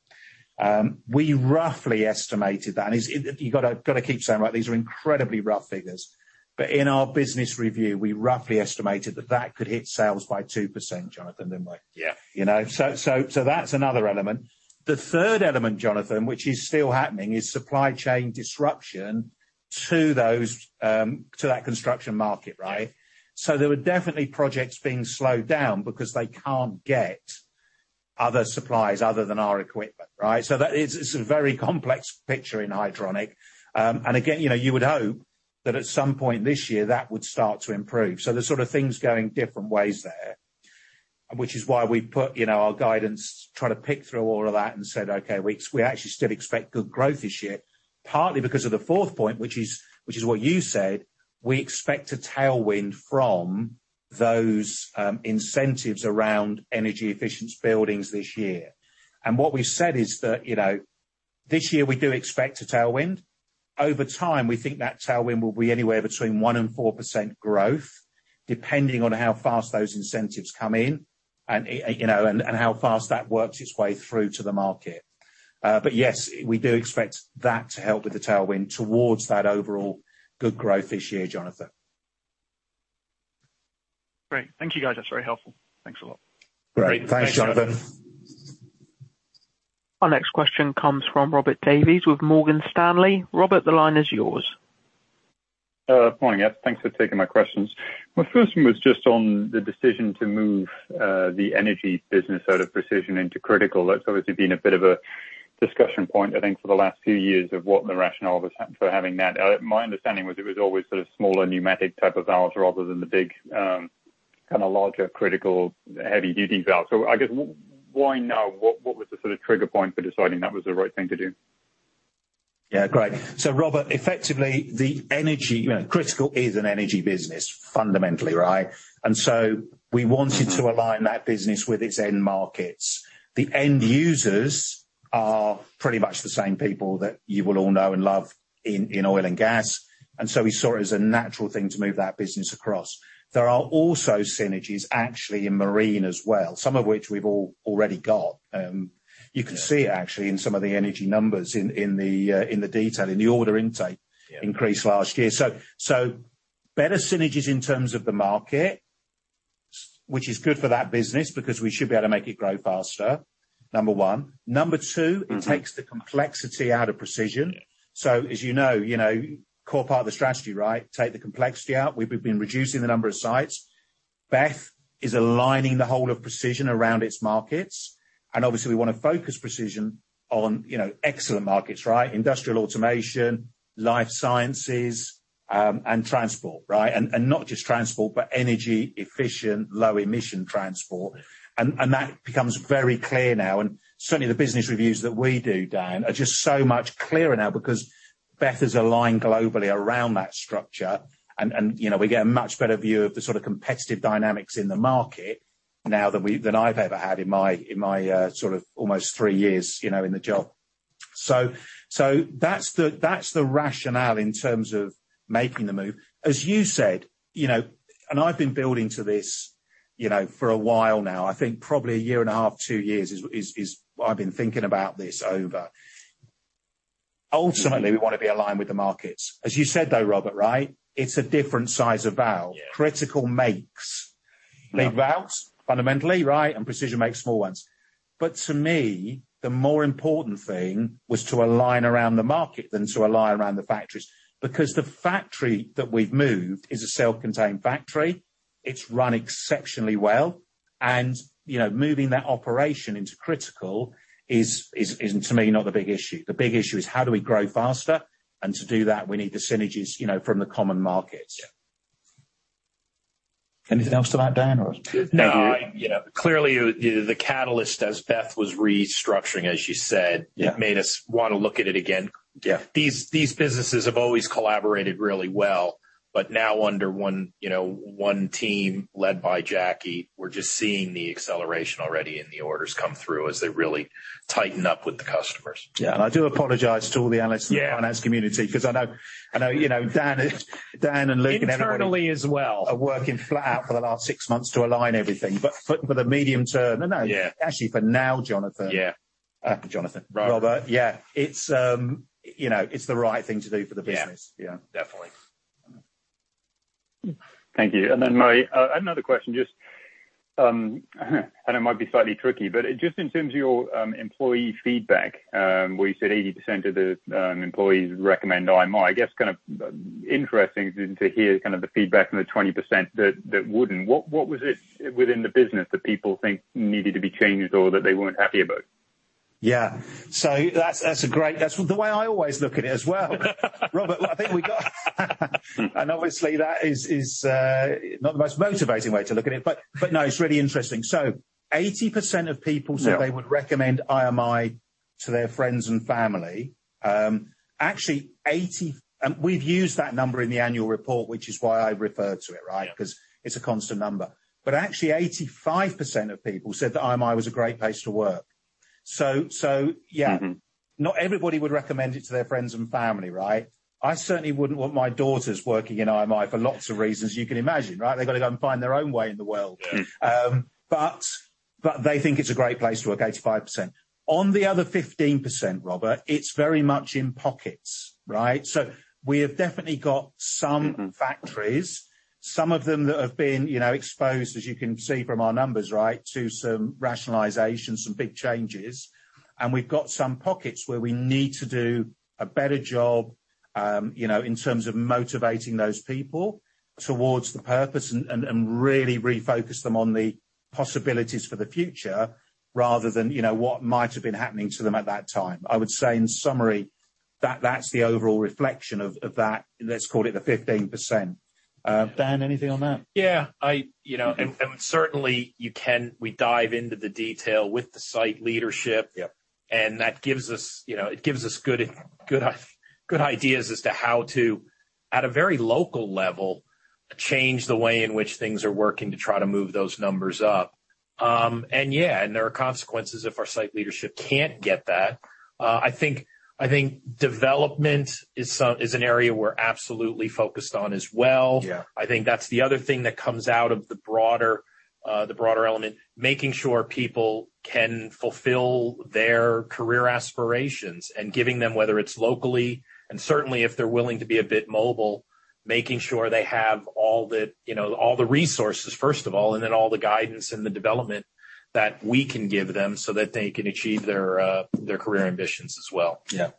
We roughly estimated that. You gotta keep saying, right, these are incredibly rough figures. But in our business review, we roughly estimated that that could hit sales by 2%, Jonathan, didn't we? Yeah. You know. That's another element. The third element, Jonathan, which is still happening, is supply chain disruption to that construction market, right? Yeah. There were definitely projects being slowed down because they can't get other supplies other than our equipment, right? That is, it's a very complex picture in Hydronic. Again, you know, you would hope that at some point this year, that would start to improve. There's sort of things going different ways there, which is why we put, you know, our guidance, try to pick through all of that and said, "Okay, we actually still expect good growth this year," partly because of the fourth point, which is what you said, we expect a tailwind from those, incentives around energy efficient buildings this year. What we said is that, you know, this year we do expect a tailwind. Over time, we think that tailwind will be anywhere between 1%-4% growth, depending on how fast those incentives come in and, you know, how fast that works its way through to the market. Yes, we do expect that to help with the tailwind towards that overall good growth this year, Jonathan. Great. Thank you, guys. That's very helpful. Thanks a lot. Great. Thanks, Jonathan. Thanks, Jonathan. Our next question comes from Robert Davies with Morgan Stanley. Robert, the line is yours. Morning. Yep. Thanks for taking my questions. My first one was just on the decision to move the energy business out of Precision into Critical. That's obviously been a bit of a discussion point, I think, for the last few years of what the rationale was for having that. My understanding was it was always sort of smaller pneumatic type of valves rather than the big kind of larger Critical heavy-duty valves. I guess why now? What was the sort of trigger point for deciding that was the right thing to do? Yeah. Great. Robert, effectively, the energy, you know, Critical is an energy business fundamentally, right? We wanted to align that business with its end markets. The end users are pretty much the same people that you will all know and love in oil and gas. We saw it as a natural thing to move that business across. There are also synergies actually in marine as well, some of which we've all already got. Yeah. You can see actually in some of the energy numbers in the detail, in the order intake- Yeah. increase last year. Better synergies in terms of the market, which is good for that business because we should be able to make it grow faster, number one. Number two- Mm-hmm. it takes the complexity out of Precision. Yeah. As you know, core part of the strategy, right, take the complexity out. We've been reducing the number of sites. Beth is aligning the whole of Precision around its markets, and obviously, we wanna focus Precision on, you know, excellent markets, right? Industrial Automation, life sciences, and transport, right? That becomes very clear now. Certainly the business reviews that we do, Dan, are just so much clearer now because Beth is aligned globally around that structure. You know, we get a much better view of the sort of competitive dynamics in the market now than I've ever had in my sort of almost three years, you know, in the job. That's the rationale in terms of making the move. As you said, you know, and I've been building to this, you know, for a while now, I think probably a year and a half, two years is what I've been thinking about this over. Mm-hmm. Ultimately, we wanna be aligned with the markets. As you said, though, Robert, right? It's a different size of valve. Yeah. Critical makes big valves, fundamentally, right? Precision makes small ones. To me, the more important thing was to align around the market than to align around the factories. Because the factory that we've moved is a self-contained factory. It's run exceptionally well. You know, moving that operation into Critical is, to me, not the big issue. The big issue is how do we grow faster? To do that, we need the synergies, you know, from the common markets. Yeah. Anything else to that, Dan, or? No. Thank you. You know, clearly the catalyst as Beth was restructuring, as you said. Yeah. It made us wanna look at it again. Yeah. These businesses have always collaborated really well. Now under one, you know, one team led by Jackie, we're just seeing the acceleration already and the orders come through as they really tighten up with the customers. Yeah. I do apologize to all the analysts- Yeah. in the finance community, 'cause I know, you know, Dan and Luke and everybody. Internally as well. We are working flat out for the last six months to align everything. For the medium term. Yeah. No, no, actually for now, Jonathan. Yeah. Jonathan. Robert. Robert, yeah. It's, you know, it's the right thing to do for the business. Yeah. Yeah. Definitely. Thank you. My another question just, and it might be slightly tricky, but just in terms of your employee feedback, where you said 80% of the employees recommend IMI, I guess kind of interesting to hear kind of the feedback from the 20% that wouldn't. What was it within the business that people think needed to be changed or that they weren't happy about? Yeah. That's a great. That's the way I always look at it as well. Robert, I think we got. Obviously that is not the most motivating way to look at it. No, it's really interesting. 80% of people said- Yeah. they would recommend IMI to their friends and family. Actually, we've used that number in the annual report, which is why I referred to it, right? Yeah. 'Cause it's a constant number. Actually 85% of people said that IMI was a great place to work. Yeah. Mm-hmm. Not everybody would recommend it to their friends and family, right? I certainly wouldn't want my daughters working in IMI for lots of reasons you can imagine, right? They gotta go and find their own way in the world. Mm. But they think it's a great place to work, 85%. On the other 15%, Robert, it's very much in pockets, right? We have definitely got some- Mm-hmm. factories, some of them that have been, you know, exposed, as you can see from our numbers right, to some rationalization, some big changes. We've got some pockets where we need to do a better job, you know, in terms of motivating those people towards the purpose and really refocus them on the possibilities for the future rather than, you know, what might have been happening to them at that time. I would say in summary, that's the overall reflection of that, let's call it the 15%. Dan, anything on that? Yeah. You know, certainly we dive into the detail with the site leadership. Yep. That gives us, you know, it gives us good ideas as to how to, at a very local level, change the way in which things are working to try to move those numbers up. Yeah, there are consequences if our site leadership can't get that. I think development is an area we're absolutely focused on as well. Yeah. I think that's the other thing that comes out of the broader element, making sure people can fulfill their career aspirations and giving them, whether it's locally and certainly if they're willing to be a bit mobile, making sure they have all the, you know, all the resources, first of all, and then all the guidance and the development that we can give them so that they can achieve their career ambitions as well. Yeah.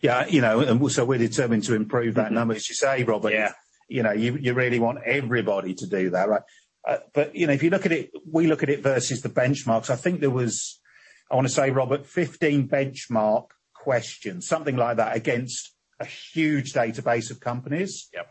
Yeah, you know, we're determined to improve that number, as you say, Robert. Yeah. You know, you really want everybody to do that, right? You know, if you look at it, we look at it versus the benchmarks. I think there was, I wanna say, Robert, 15 benchmark questions, something like that, against a huge database of companies. Yep.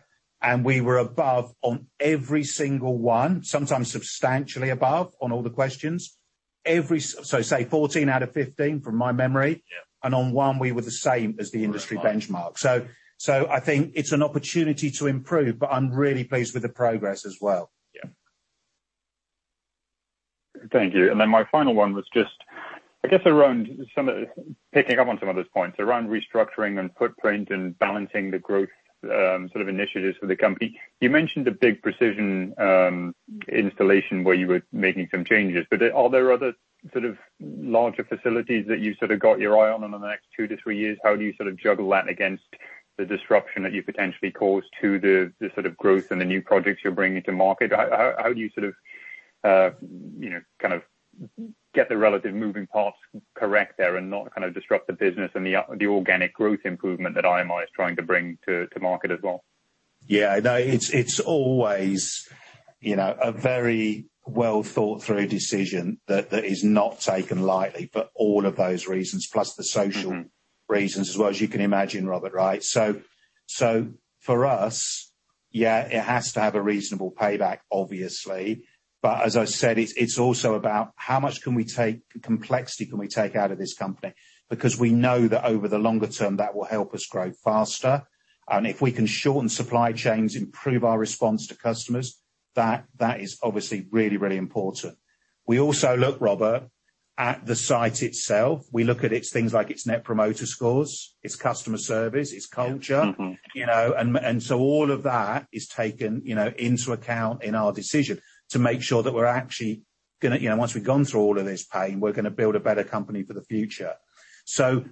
We were above on every single one, sometimes substantially above on all the questions. So say 14 out of 15 from my memory. Yeah. On one, we were the same as the industry benchmark. Right. I think it's an opportunity to improve, but I'm really pleased with the progress as well. Yeah. Thank you. My final one was just, I guess around some of picking up on some of those points around restructuring and footprint and balancing the growth sort of initiatives for the company. You mentioned a big Precision installation where you were making some changes, but are there other sort of larger facilities that you've sort of got your eye on in the next 2-3 years? How do you sort of juggle that against the disruption that you potentially cause to the sort of growth and the new projects you're bringing to market? How do you sort of, you know, kind of get the relative moving parts correct there and not kind of disrupt the business and the organic growth improvement that IMI is trying to bring to market as well? Yeah, no, it's always, you know, a very well thought through decision that is not taken lightly for all of those reasons. Plus the social- Mm-hmm. reasons as well, as you can imagine, Robert, right? For us, yeah, it has to have a reasonable payback, obviously. As I said, it's also about how much can we take, complexity can we take out of this company? Because we know that over the longer term, that will help us grow faster. If we can shorten supply chains, improve our response to customers, that is obviously really, really important. We also look, Robert, at the site itself. We look at its things like its net promoter scores, its customer service, its culture. Mm-hmm. You know, all of that is taken, you know, into account in our decision to make sure that we're actually gonna, you know, once we've gone through all of this pain, we're gonna build a better company for the future.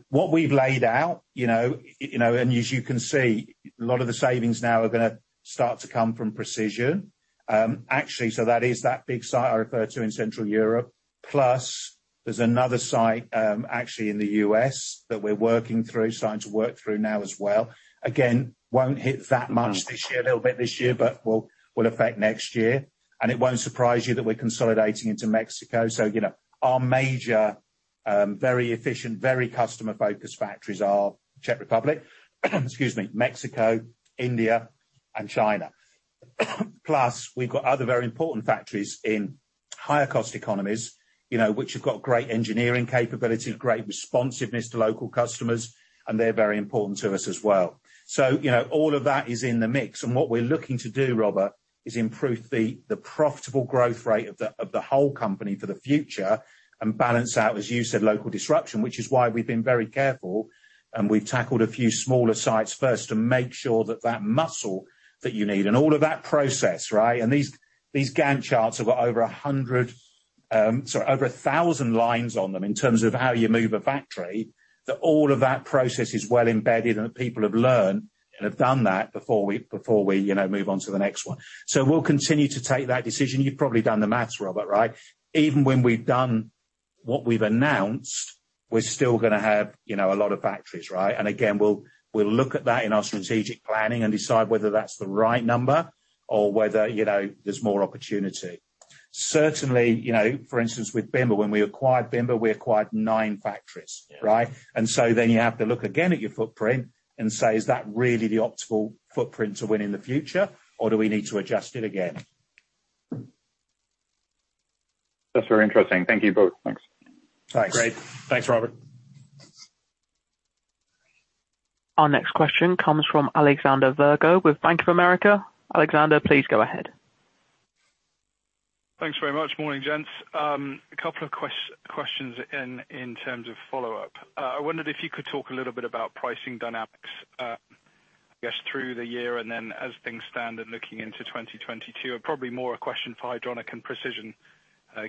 What we've laid out, you know, and as you can see, a lot of the savings now are gonna start to come from Precision. Actually, that is that big site I referred to in Central Europe. Plus there's another site, actually in the U.S. that we're working through, starting to work through now as well. Again, won't hit that much this year, a little bit this year, but will affect next year. It won't surprise you that we're consolidating into Mexico. You know, our major very efficient, very customer-focused factories are Czech Republic, excuse me, Mexico, India, and China. Plus, we've got other very important factories in higher cost economies, you know, which have got great engineering capabilities, great responsiveness to local customers, and they're very important to us as well. You know, all of that is in the mix. What we are looking to do, Robert, is improve the profitable growth rate of the whole company for the future and balance out, as you said, local disruption, which is why we've been very careful and we've tackled a few smaller sites first to make sure that muscle that you need and all of that process, right? These Gantt charts have over 1,000 lines on them in terms of how you move a factory, that all of that process is well embedded, and that people have learned and have done that before we you know, move on to the next one. We'll continue to take that decision. You've probably done the math, Robert, right? Even when we've done what we've announced, we're still gonna have, you know, a lot of factories, right? Again, we'll look at that in our strategic planning and decide whether that's the right number or whether, you know, there's more opportunity. Certainly, you know, for instance, with Bimba, when we acquired Bimba, we acquired nine factories, right? Yeah. You have to look again at your footprint and say, "Is that really the optimal footprint to win in the future, or do we need to adjust it again? That's very interesting. Thank you both. Thanks. Thanks. Great. Thanks, Robert. Our next question comes from Alexander Virgo with Bank of America. Alexander, please go ahead. Thanks very much. Morning, gents. A couple of questions in terms of follow-up. I wondered if you could talk a little bit about pricing dynamics, I guess, through the year, and then as things stand in looking into 2022. Probably more a question for Hydronic and Precision,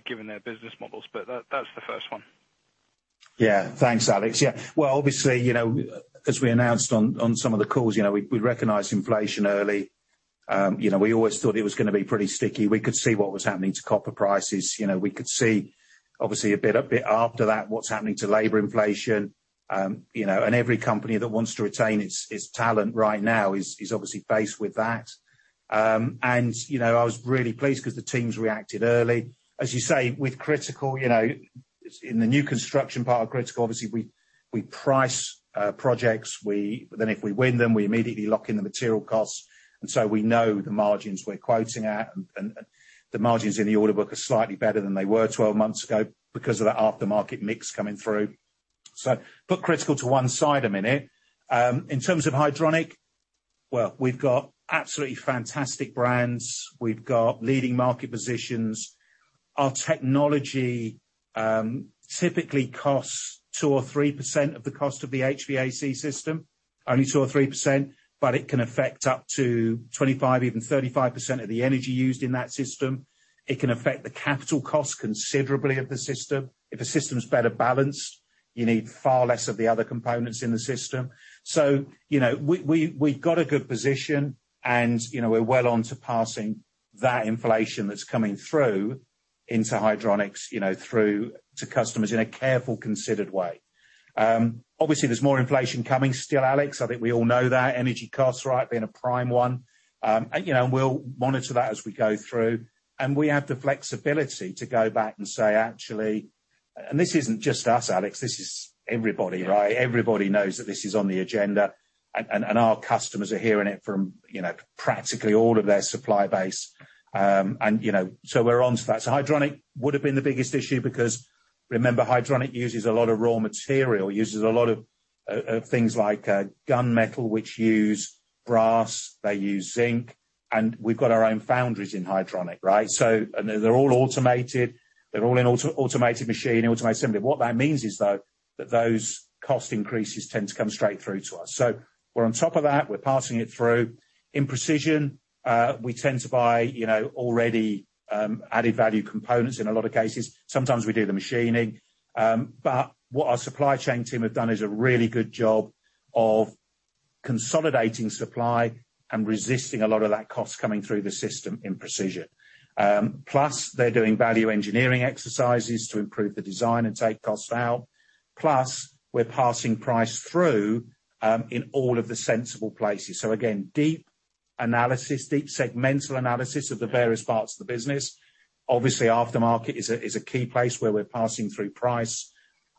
given their business models. That's the first one. Thanks, Alex. Well, obviously, you know, as we announced on some of the calls, you know, we recognized inflation early. You know, we always thought it was gonna be pretty sticky. We could see what was happening to copper prices. You know, we could see obviously a bit after that, what's happening to labor inflation. You know, every company that wants to retain its talent right now is obviously faced with that. You know, I was really pleased 'cause the teams reacted early. As you say, with Critical, you know, in the new construction part of Critical, obviously we price projects. Then if we win them, we immediately lock in the material costs, and so we know the margins we're quoting at. The margins in the order book are slightly better than they were 12 months ago because of that aftermarket mix coming through. Put Critical to one side a minute. In terms of Hydronic, well, we've got absolutely fantastic brands. We've got leading market positions. Our technology typically costs 2% or 3% of the cost of the HVAC system. Only 2% or 3%, but it can affect up to 25%, even 35% of the energy used in that system. It can affect the capital cost considerably of the system. If a system's better balanced, you need far less of the other components in the system. You know, we've got a good position and, you know, we're well on to passing that inflation that's coming through into Hydronic, you know, through to customers in a careful, considered way. Obviously there's more inflation coming still, Alex. I think we all know that. Energy costs, right, being a prime one. You know, we'll monitor that as we go through. We have the flexibility to go back and say, actually. This isn't just us, Alex. This is everybody, right? Everybody knows that this is on the agenda and our customers are hearing it from, you know, practically all of their supply base. You know, we're onto that. Hydronic would have been the biggest issue because remember, Hydronic uses a lot of raw material, uses a lot of things like gunmetal, which use brass, they use zinc, and we've got our own foundries in Hydronic, right? They're all automated, they're all in automated machine, automated assembly. What that means is, though, that those cost increases tend to come straight through to us. We're on top of that. We're passing it through. In Precision, we tend to buy, you know, already added value components in a lot of cases. Sometimes we do the machining. But what our supply chain team have done is a really good job of consolidating supply and resisting a lot of that cost coming through the system in Precision. Plus, they're doing value engineering exercises to improve the design and take costs out. Plus, we're passing price through in all of the sensible places. Again, deep analysis, deep segmental analysis of the various parts of the business. Obviously, aftermarket is a key place where we're passing through price.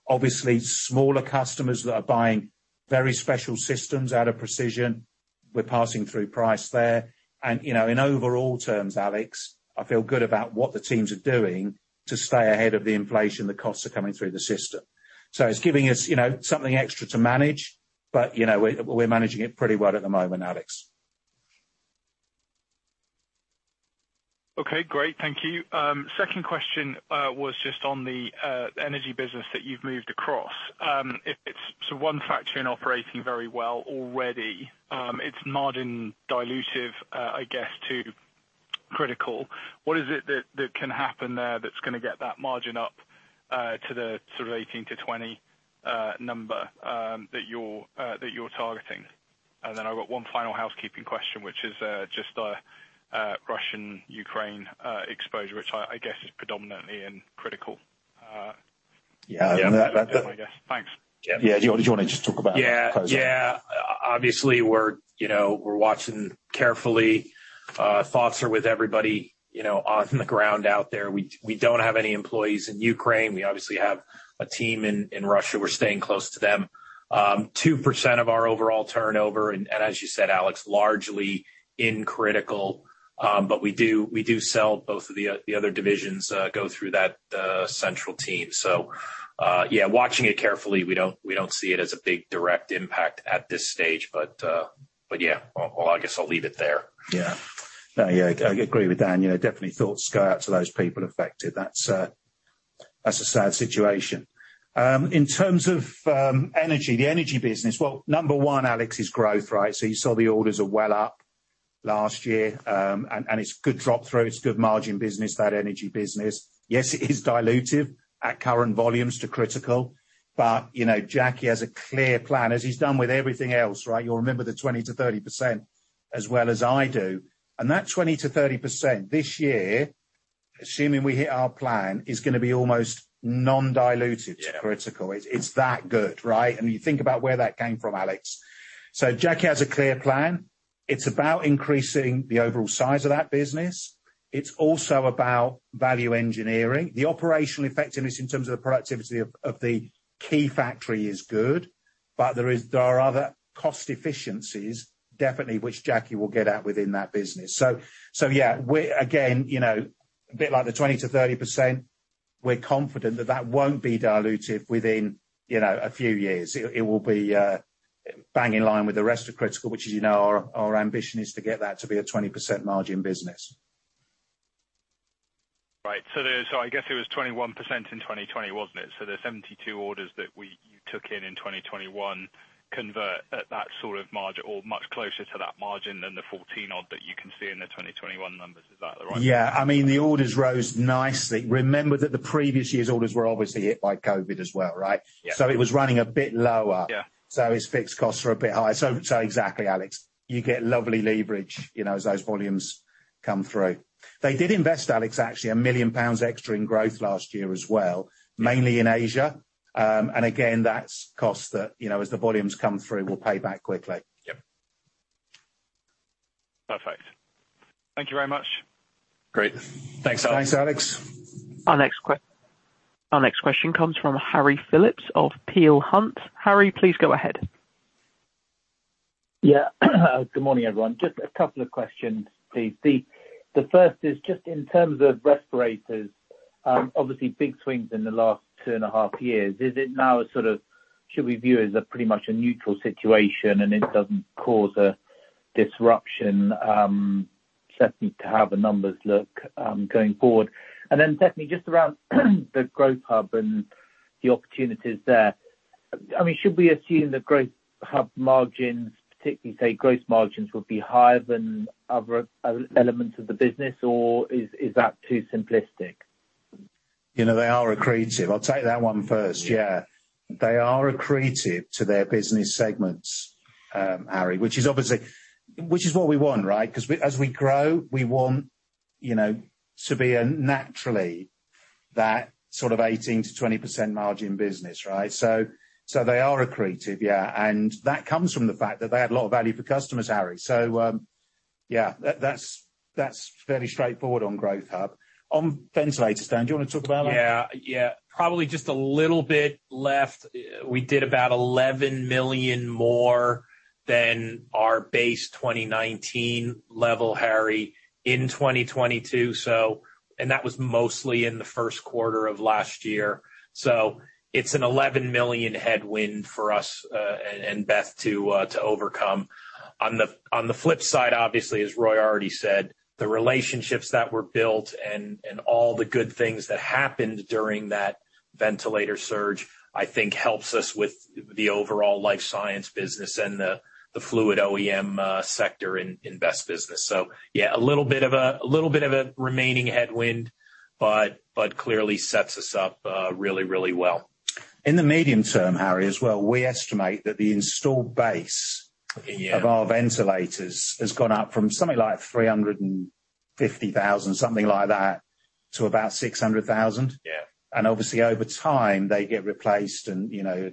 Obviously, smaller customers that are buying very special systems out of Precision, we're passing through price there. You know, in overall terms, Alex, I feel good about what the teams are doing to stay ahead of the inflation, the costs are coming through the system. It's giving us, you know, something extra to manage, but, you know, we're managing it pretty well at the moment, Alex. Okay, great. Thank you. Second question was just on the energy business that you've moved across. If it's one factory operating very well already, it's margin dilutive, I guess, to Critical. What is it that can happen there that's gonna get that margin up to the sort of 18%-20% number that you're targeting? Then I've got one final housekeeping question, which is just Russia-Ukraine exposure, which I guess is predominantly in Critical. Yeah. That's it, I guess. Thanks. Yeah. Do you wanna just talk about that closer? Yeah. Obviously, we're watching carefully. Thoughts are with everybody on the ground out there. We don't have any employees in Ukraine. We obviously have a team in Russia. We're staying close to them. 2% of our overall turnover, as you said, Alex, largely in Critical. But we do sell both of the other divisions go through that central team. Watching it carefully, we don't see it as a big direct impact at this stage. Yeah. Well, I guess I'll leave it there. Yeah. No, yeah, I agree with Dan. You know, definitely thoughts go out to those people affected. That's a sad situation. In terms of energy, the energy business, well, number one, Alex, is growth, right? So you saw the orders are well up last year, and it's good drop through, it's good margin business, that energy business. Yes, it is dilutive at current volumes to Critical, but, you know, Jackie has a clear plan, as he's done with everything else, right? You'll remember the 20%-30% as well as I do. That 20%-30% this year, assuming we hit our plan, is gonna be almost non-dilutive to Critical. Yeah. It's that good, right? You think about where that came from, Alex. Jackie has a clear plan. It's about increasing the overall size of that business. It's also about value engineering. The operational effectiveness in terms of the productivity of the key factory is good, but there are other cost efficiencies definitely which Jackie will get at within that business. Yeah, again, you know, a bit like the 20%-30%, we're confident that won't be dilutive within, you know, a few years. It will be bang in line with the rest of Critical, which, as you know, our ambition is to get that to be a 20% margin business. Right. I guess it was 21% in 2020, wasn't it? The 72 orders you took in 2021 convert at that sort of margin or much closer to that margin than the 14-odd that you can see in the 2021 numbers. Is that the right- Yeah. I mean, the orders rose nicely. Remember that the previous year's orders were obviously hit by COVID as well, right? Yeah. It was running a bit lower. Yeah. Its fixed costs were a bit high. Exactly, Alex. You get lovely leverage, you know, as those volumes come through. They did invest, Alex, actually a million pounds extra in growth last year as well, mainly in Asia. Again, that's a cost that, you know, as the volumes come through, will pay back quickly. Yep. Perfect. Thank you very much. Great. Thanks, Alex. Thanks, Alex. Our next question comes from Harry Philips of Peel Hunt. Harry, please go ahead. Yeah. Good morning, everyone. Just a couple of questions, please. The first is just in terms of ventilators, obviously big swings in the last two and a half years. Is it now sort of should we view as a pretty much neutral situation and it doesn't cause a disruption, certainly to how the numbers look, going forward? Secondly, just around the Growth Hub and the opportunities there. I mean, should we assume the Growth Hub margins, particularly say growth margins, will be higher than other elements of the business, or is that too simplistic? You know, they are accretive. I'll take that one first. Yeah. They are accretive to their business segments, Harry, which is what we want, right? 'Cause as we grow, we want, you know, to be a naturally that sort of 18%-20% margin business, right? So they are accretive, yeah. That comes from the fact that they add a lot of value for customers, Harry, so yeah. That's fairly straightforward on Growth Hub. On ventilators, Dan, do you wanna talk about that? Yeah. Probably just a little bit left. We did about 11 million more than our base 2019 level, Harry, in 2022. That was mostly in the first quarter of last year. It's a 11 million headwind for us, and Beth to overcome. On the flip side, obviously, as Roy already said, the relationships that were built and all the good things that happened during that ventilator surge, I think helps us with the overall life science business and the fluid OEM sector in Beth's business. Yeah, a little bit of a remaining headwind, but clearly sets us up really well. In the medium term, Harry, as well, we estimate that the installed base- Yeah... of our ventilators has gone up from something like 350,000, something like that, to about 600,000. Yeah. Obviously over time they get replaced and, you know,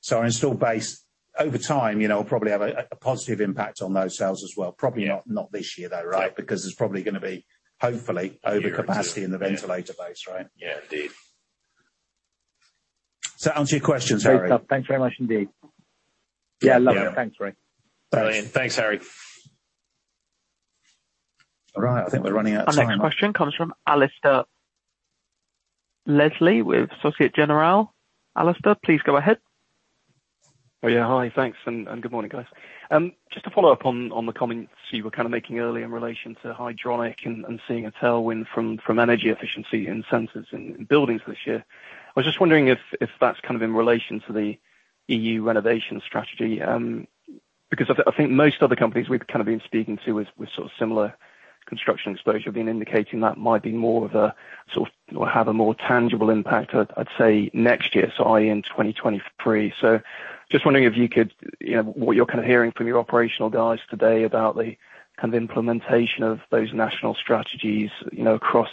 so our installed base over time, you know, will probably have a positive impact on those sales as well. Yeah. Probably not this year though, right? No. Because there's probably gonna be hopefully. A year or two. overcapacity in the ventilator base, right? Yeah, indeed. Does that answer your question, Harry? Great stuff. Thanks very much indeed. Yeah. Lovely. Yeah. Thanks, Roy. Brilliant. Thanks, Harry. All right, I think we're running out of time. Our next question comes from Alasdair Leslie with Société Générale. Alasdair, please go ahead. Oh, yeah. Hi. Thanks. Good morning, guys. Just to follow up on the comments you were kind of making earlier in relation to Hydronic and seeing a tailwind from energy efficiency in sensors in buildings this year. I was just wondering if that's kind of in relation to the EU Renovation Wave, because I think most other companies we've kind of been speaking to with sort of similar construction exposure have been indicating that might be more of a sort of have a more tangible impact, I'd say next year, i.e., in 2023. Just wondering if you could, you know, what you're kind of hearing from your operational guys today about the kind of implementation of those national strategies, you know, across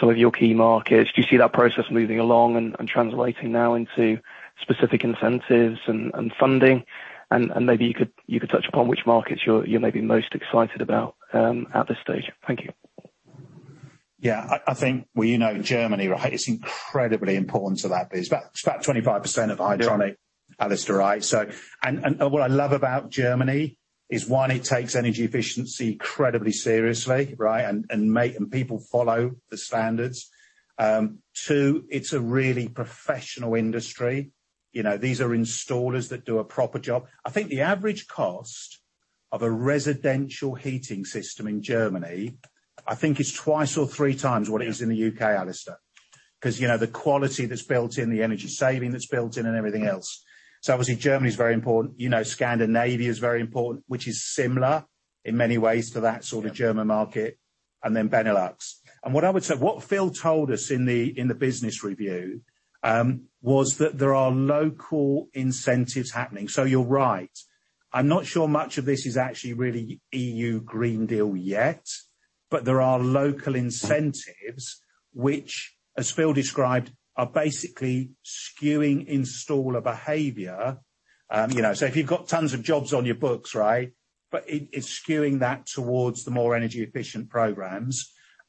some of your key markets. Do you see that process moving along and translating now into specific incentives and funding? Maybe you could touch upon which markets you're maybe most excited about at this stage. Thank you. Yeah. I think, well, you know, Germany, right, is incredibly important to that business. It's about 25% of hydronic- Yeah. Alasdair, right? What I love about Germany is, one, it takes energy efficiency incredibly seriously, right? People follow the standards. Two, it's a really professional industry. You know, these are installers that do a proper job. I think the average cost of a residential heating system in Germany is 2x or 3x what it is in the U.K., Alasdair, because you know, the quality that's built in, the energy saving that's built in, and everything else. Yeah. Obviously, Germany is very important. You know, Scandinavia is very important, which is similar in many ways to that sort of German market, and then Benelux. What I would say, what Phil told us in the business review, was that there are local incentives happening. You're right. I'm not sure much of this is actually really European Green Deal yet, but there are local incentives which, as Phil described, are basically skewing installer behavior. You know, if you've got tons of jobs on your books, right? It's skewing that towards the more energy efficient programs.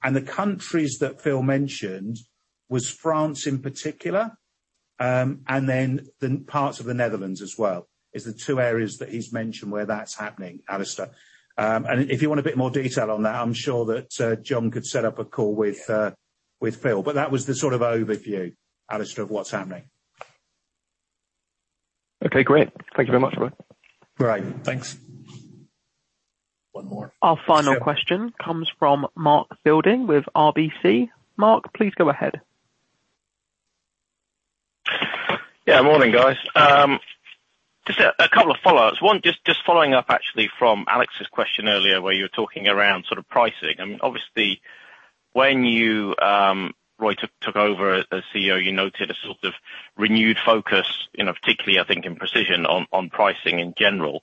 The countries that Phil mentioned was France in particular, and then the parts of the Netherlands as well, is the two areas that he's mentioned where that's happening, Alistair. If you want a bit more detail on that, I'm sure that John could set up a call with Phil, but that was the sort of overview, Alasdair, of what's happening. Okay, great. Thank you very much, Roy. All right, thanks. One more. Our final question comes from Mark Fielding with RBC. Mark, please go ahead. Yeah, morning, guys. Just a couple of follow-ups. One, just following up actually from Alex's question earlier, where you were talking around sort of pricing. I mean, obviously, when you, Roy, took over as CEO, you noted a sort of renewed focus, you know, particularly I think in Precision on pricing in general.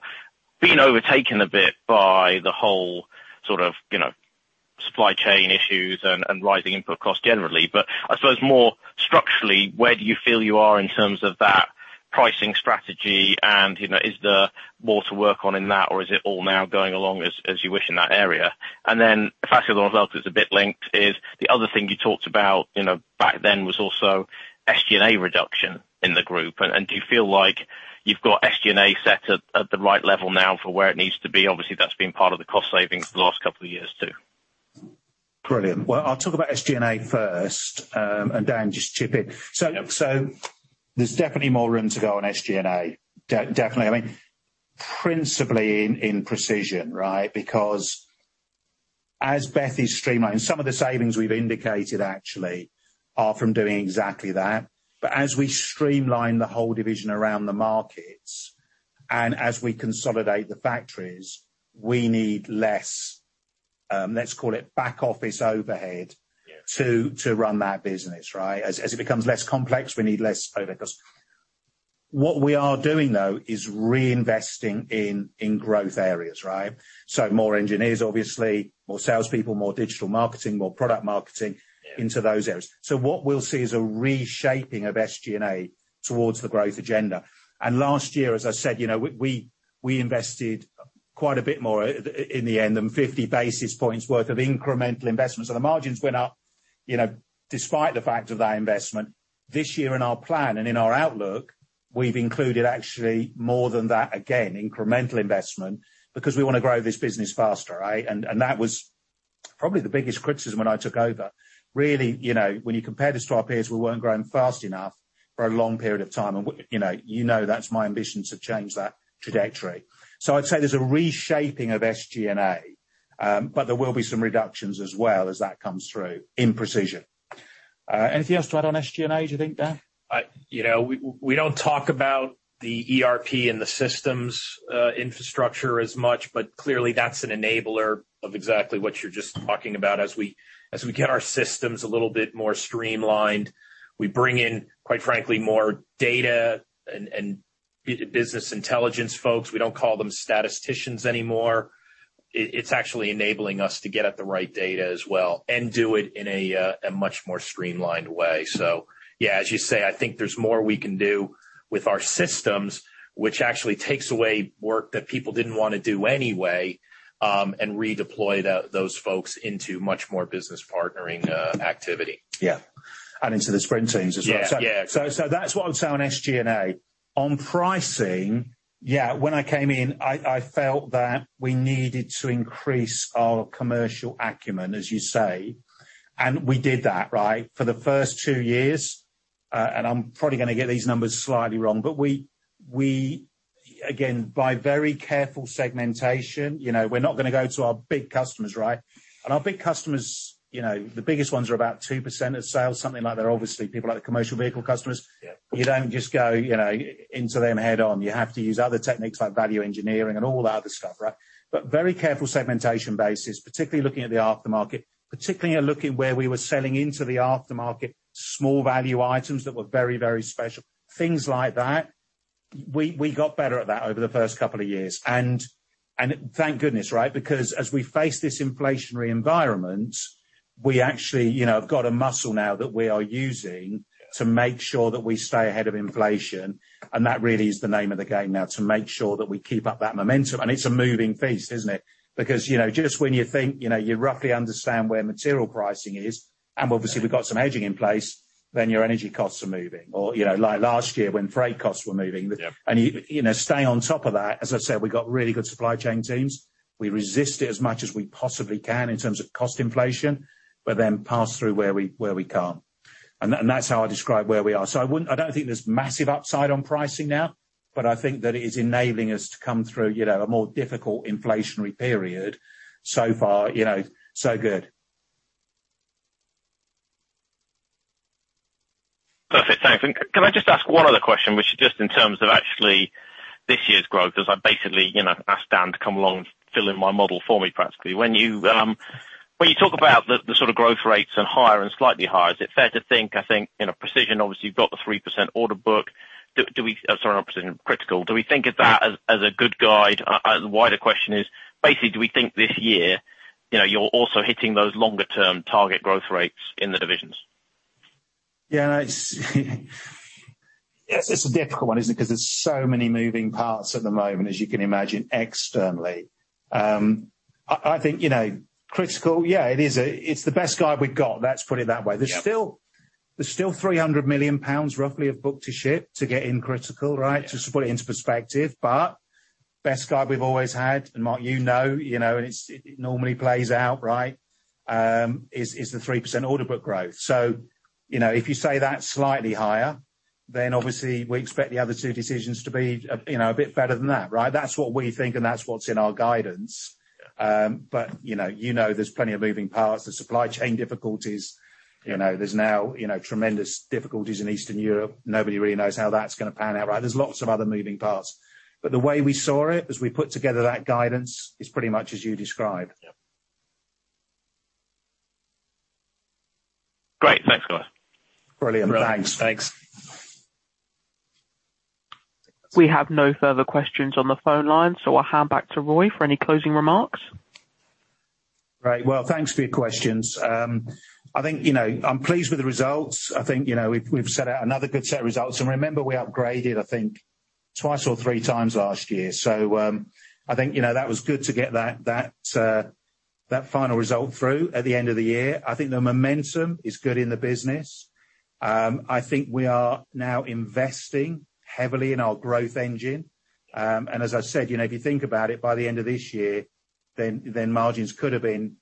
It's been overtaken a bit by the whole sort of, you know, supply chain issues and rising input costs generally. I suppose more structurally, where do you feel you are in terms of that pricing strategy and, you know, is there more to work on in that, or is it all now going along as you wish in that area? Then if I could as well 'cause it's a bit linked, is the other thing you talked about, you know, back then was also SG&A reduction in the group. Do you feel like you've got SG&A set at the right level now for where it needs to be? Obviously, that's been part of the cost savings for the last couple of years too. Brilliant. Well, I'll talk about SG&A first, and Dan, just chip in. So there's definitely more room to go on SG&A. Definitely. I mean, principally in Precision, right? Because as Beth is streamlining, some of the savings we've indicated actually are from doing exactly that. But as we streamline the whole division around the markets, and as we consolidate the factories, we need less, let's call it back-office overhead- Yeah ...to run that business, right? As it becomes less complex, we need less overhead. 'Cause what we are doing though is reinvesting in growth areas, right? More engineers, obviously, more salespeople, more digital marketing, more product marketing- Yeah into those areas. What we'll see is a reshaping of SG&A towards the growth agenda. Last year, as I said, you know, we invested quite a bit more in the end than 50 basis points worth of incremental investments. The margins went up, you know, despite the fact of that investment. This year in our plan and in our outlook, we've included actually more than that, again, incremental investment, because we wanna grow this business faster, right? That was probably the biggest criticism when I took over. Really, you know, when you compare this to our peers, we weren't growing fast enough for a long period of time. You know that's my ambition to change that trajectory. I'd say there's a reshaping of SG&A, but there will be some reductions as well as that comes through in Precision. Anything else to add on SG&A, do you think, Dan? You know, we don't talk about the ERP and the systems, infrastructure as much, but clearly that's an enabler of exactly what you're just talking about. As we get our systems a little bit more streamlined, we bring in, quite frankly, more data and business intelligence folks. We don't call them statisticians anymore. It's actually enabling us to get at the right data as well and do it in a much more streamlined way. Yeah, as you say, I think there's more we can do with our systems, which actually takes away work that people didn't wanna do anyway, and redeploy those folks into much more business partnering activity. Yeah. Into the sprint teams as well. Yeah. Yeah. That's what I would say on SG&A. On pricing, yeah, when I came in, I felt that we needed to increase our commercial acumen, as you say. We did that, right? For the first two years, and I'm probably gonna get these numbers slightly wrong, but we again, by very careful segmentation, you know, we're not gonna go to our big customers, right? Our big customers, you know, the biggest ones are about 2% of sales, something like that. They're obviously people like commercial vehicle customers. Yeah. You don't just go, you know, into them head on. You have to use other techniques like value engineering and all that other stuff, right? Very careful segmentation basis, particularly looking at the aftermarket, particularly looking where we were selling into the aftermarket, small value items that were very, very special. Things like that, we got better at that over the first couple of years. Thank goodness, right? Because as we face this inflationary environment, we actually, you know, have got a muscle now that we are using to make sure that we stay ahead of inflation, and that really is the name of the game now, to make sure that we keep up that momentum. It's a moving feast, isn't it? Because, you know, just when you think, you know, you roughly understand where material pricing is, and obviously we've got some hedging in place, then your energy costs are moving. Or, you know, like last year when freight costs were moving. Yeah. You know, stay on top of that. As I said, we've got really good supply chain teams. We resist it as much as we possibly can in terms of cost inflation, but then pass through where we can't. That's how I describe where we are. I don't think there's massive upside on pricing now. I think that it is enabling us to come through, you know, a more difficult inflationary period. So far, you know, so good. Perfect. Thanks. Can I just ask one other question, which is just in terms of actually this year's growth, as I basically, you know, asked Dan to come along and fill in my model for me, practically. When you talk about the sort of growth rates and higher and slightly higher, is it fair to think, I think, you know, Precision obviously you've got the 3% order book. Sorry, not Precision, Critical. Do we think of that as a good guide? The wider question is basically, do we think this year, you know, you're also hitting those longer term target growth rates in the divisions? Yeah. No, it's a difficult one, isn't it? 'Cause there's so many moving parts at the moment, as you can imagine, externally. I think, you know, Critical yeah, it's the best guide we've got. Let's put it that way. Yeah. There's still 300 million pounds roughly of book to ship to get into Critical, right? Yeah. Just to put it into perspective, but the best guide we've always had, and Mark, you know, and it normally plays out, right, is the 3% order book growth. So, you know, if you say that's slightly higher, then obviously we expect the other two divisions to be a bit better than that, right? That's what we think and that's what's in our guidance. You know, there's plenty of moving parts. There's supply chain difficulties. You know, there's now tremendous difficulties in Eastern Europe. Nobody really knows how that's gonna pan out, right? There's lots of other moving parts, but the way we saw it, as we put together that guidance, is pretty much as you described. Yeah. Great. Thanks, guys. Brilliant. Thanks. Brilliant. Thanks. We have no further questions on the phone line, so I'll hand back to Roy for any closing remarks. Great. Well, thanks for your questions. I think, you know, I'm pleased with the results. I think, you know, we've set out another good set of results. Remember we upgraded, I think, twice or three times last year. I think, you know, that was good to get that final result through at the end of the year. I think the momentum is good in the business. I think we are now investing heavily in our growth engine. As I said, you know, if you think about it, by the end of this year, then margins could have been,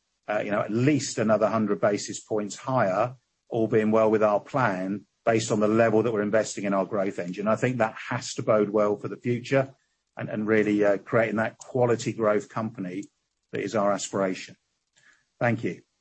you know, at least another 100 basis points higher, all being well with our plan based on the level that we're investing in our growth engine. I think that has to bode well for the future and really creating that quality growth company that is our aspiration. Thank you.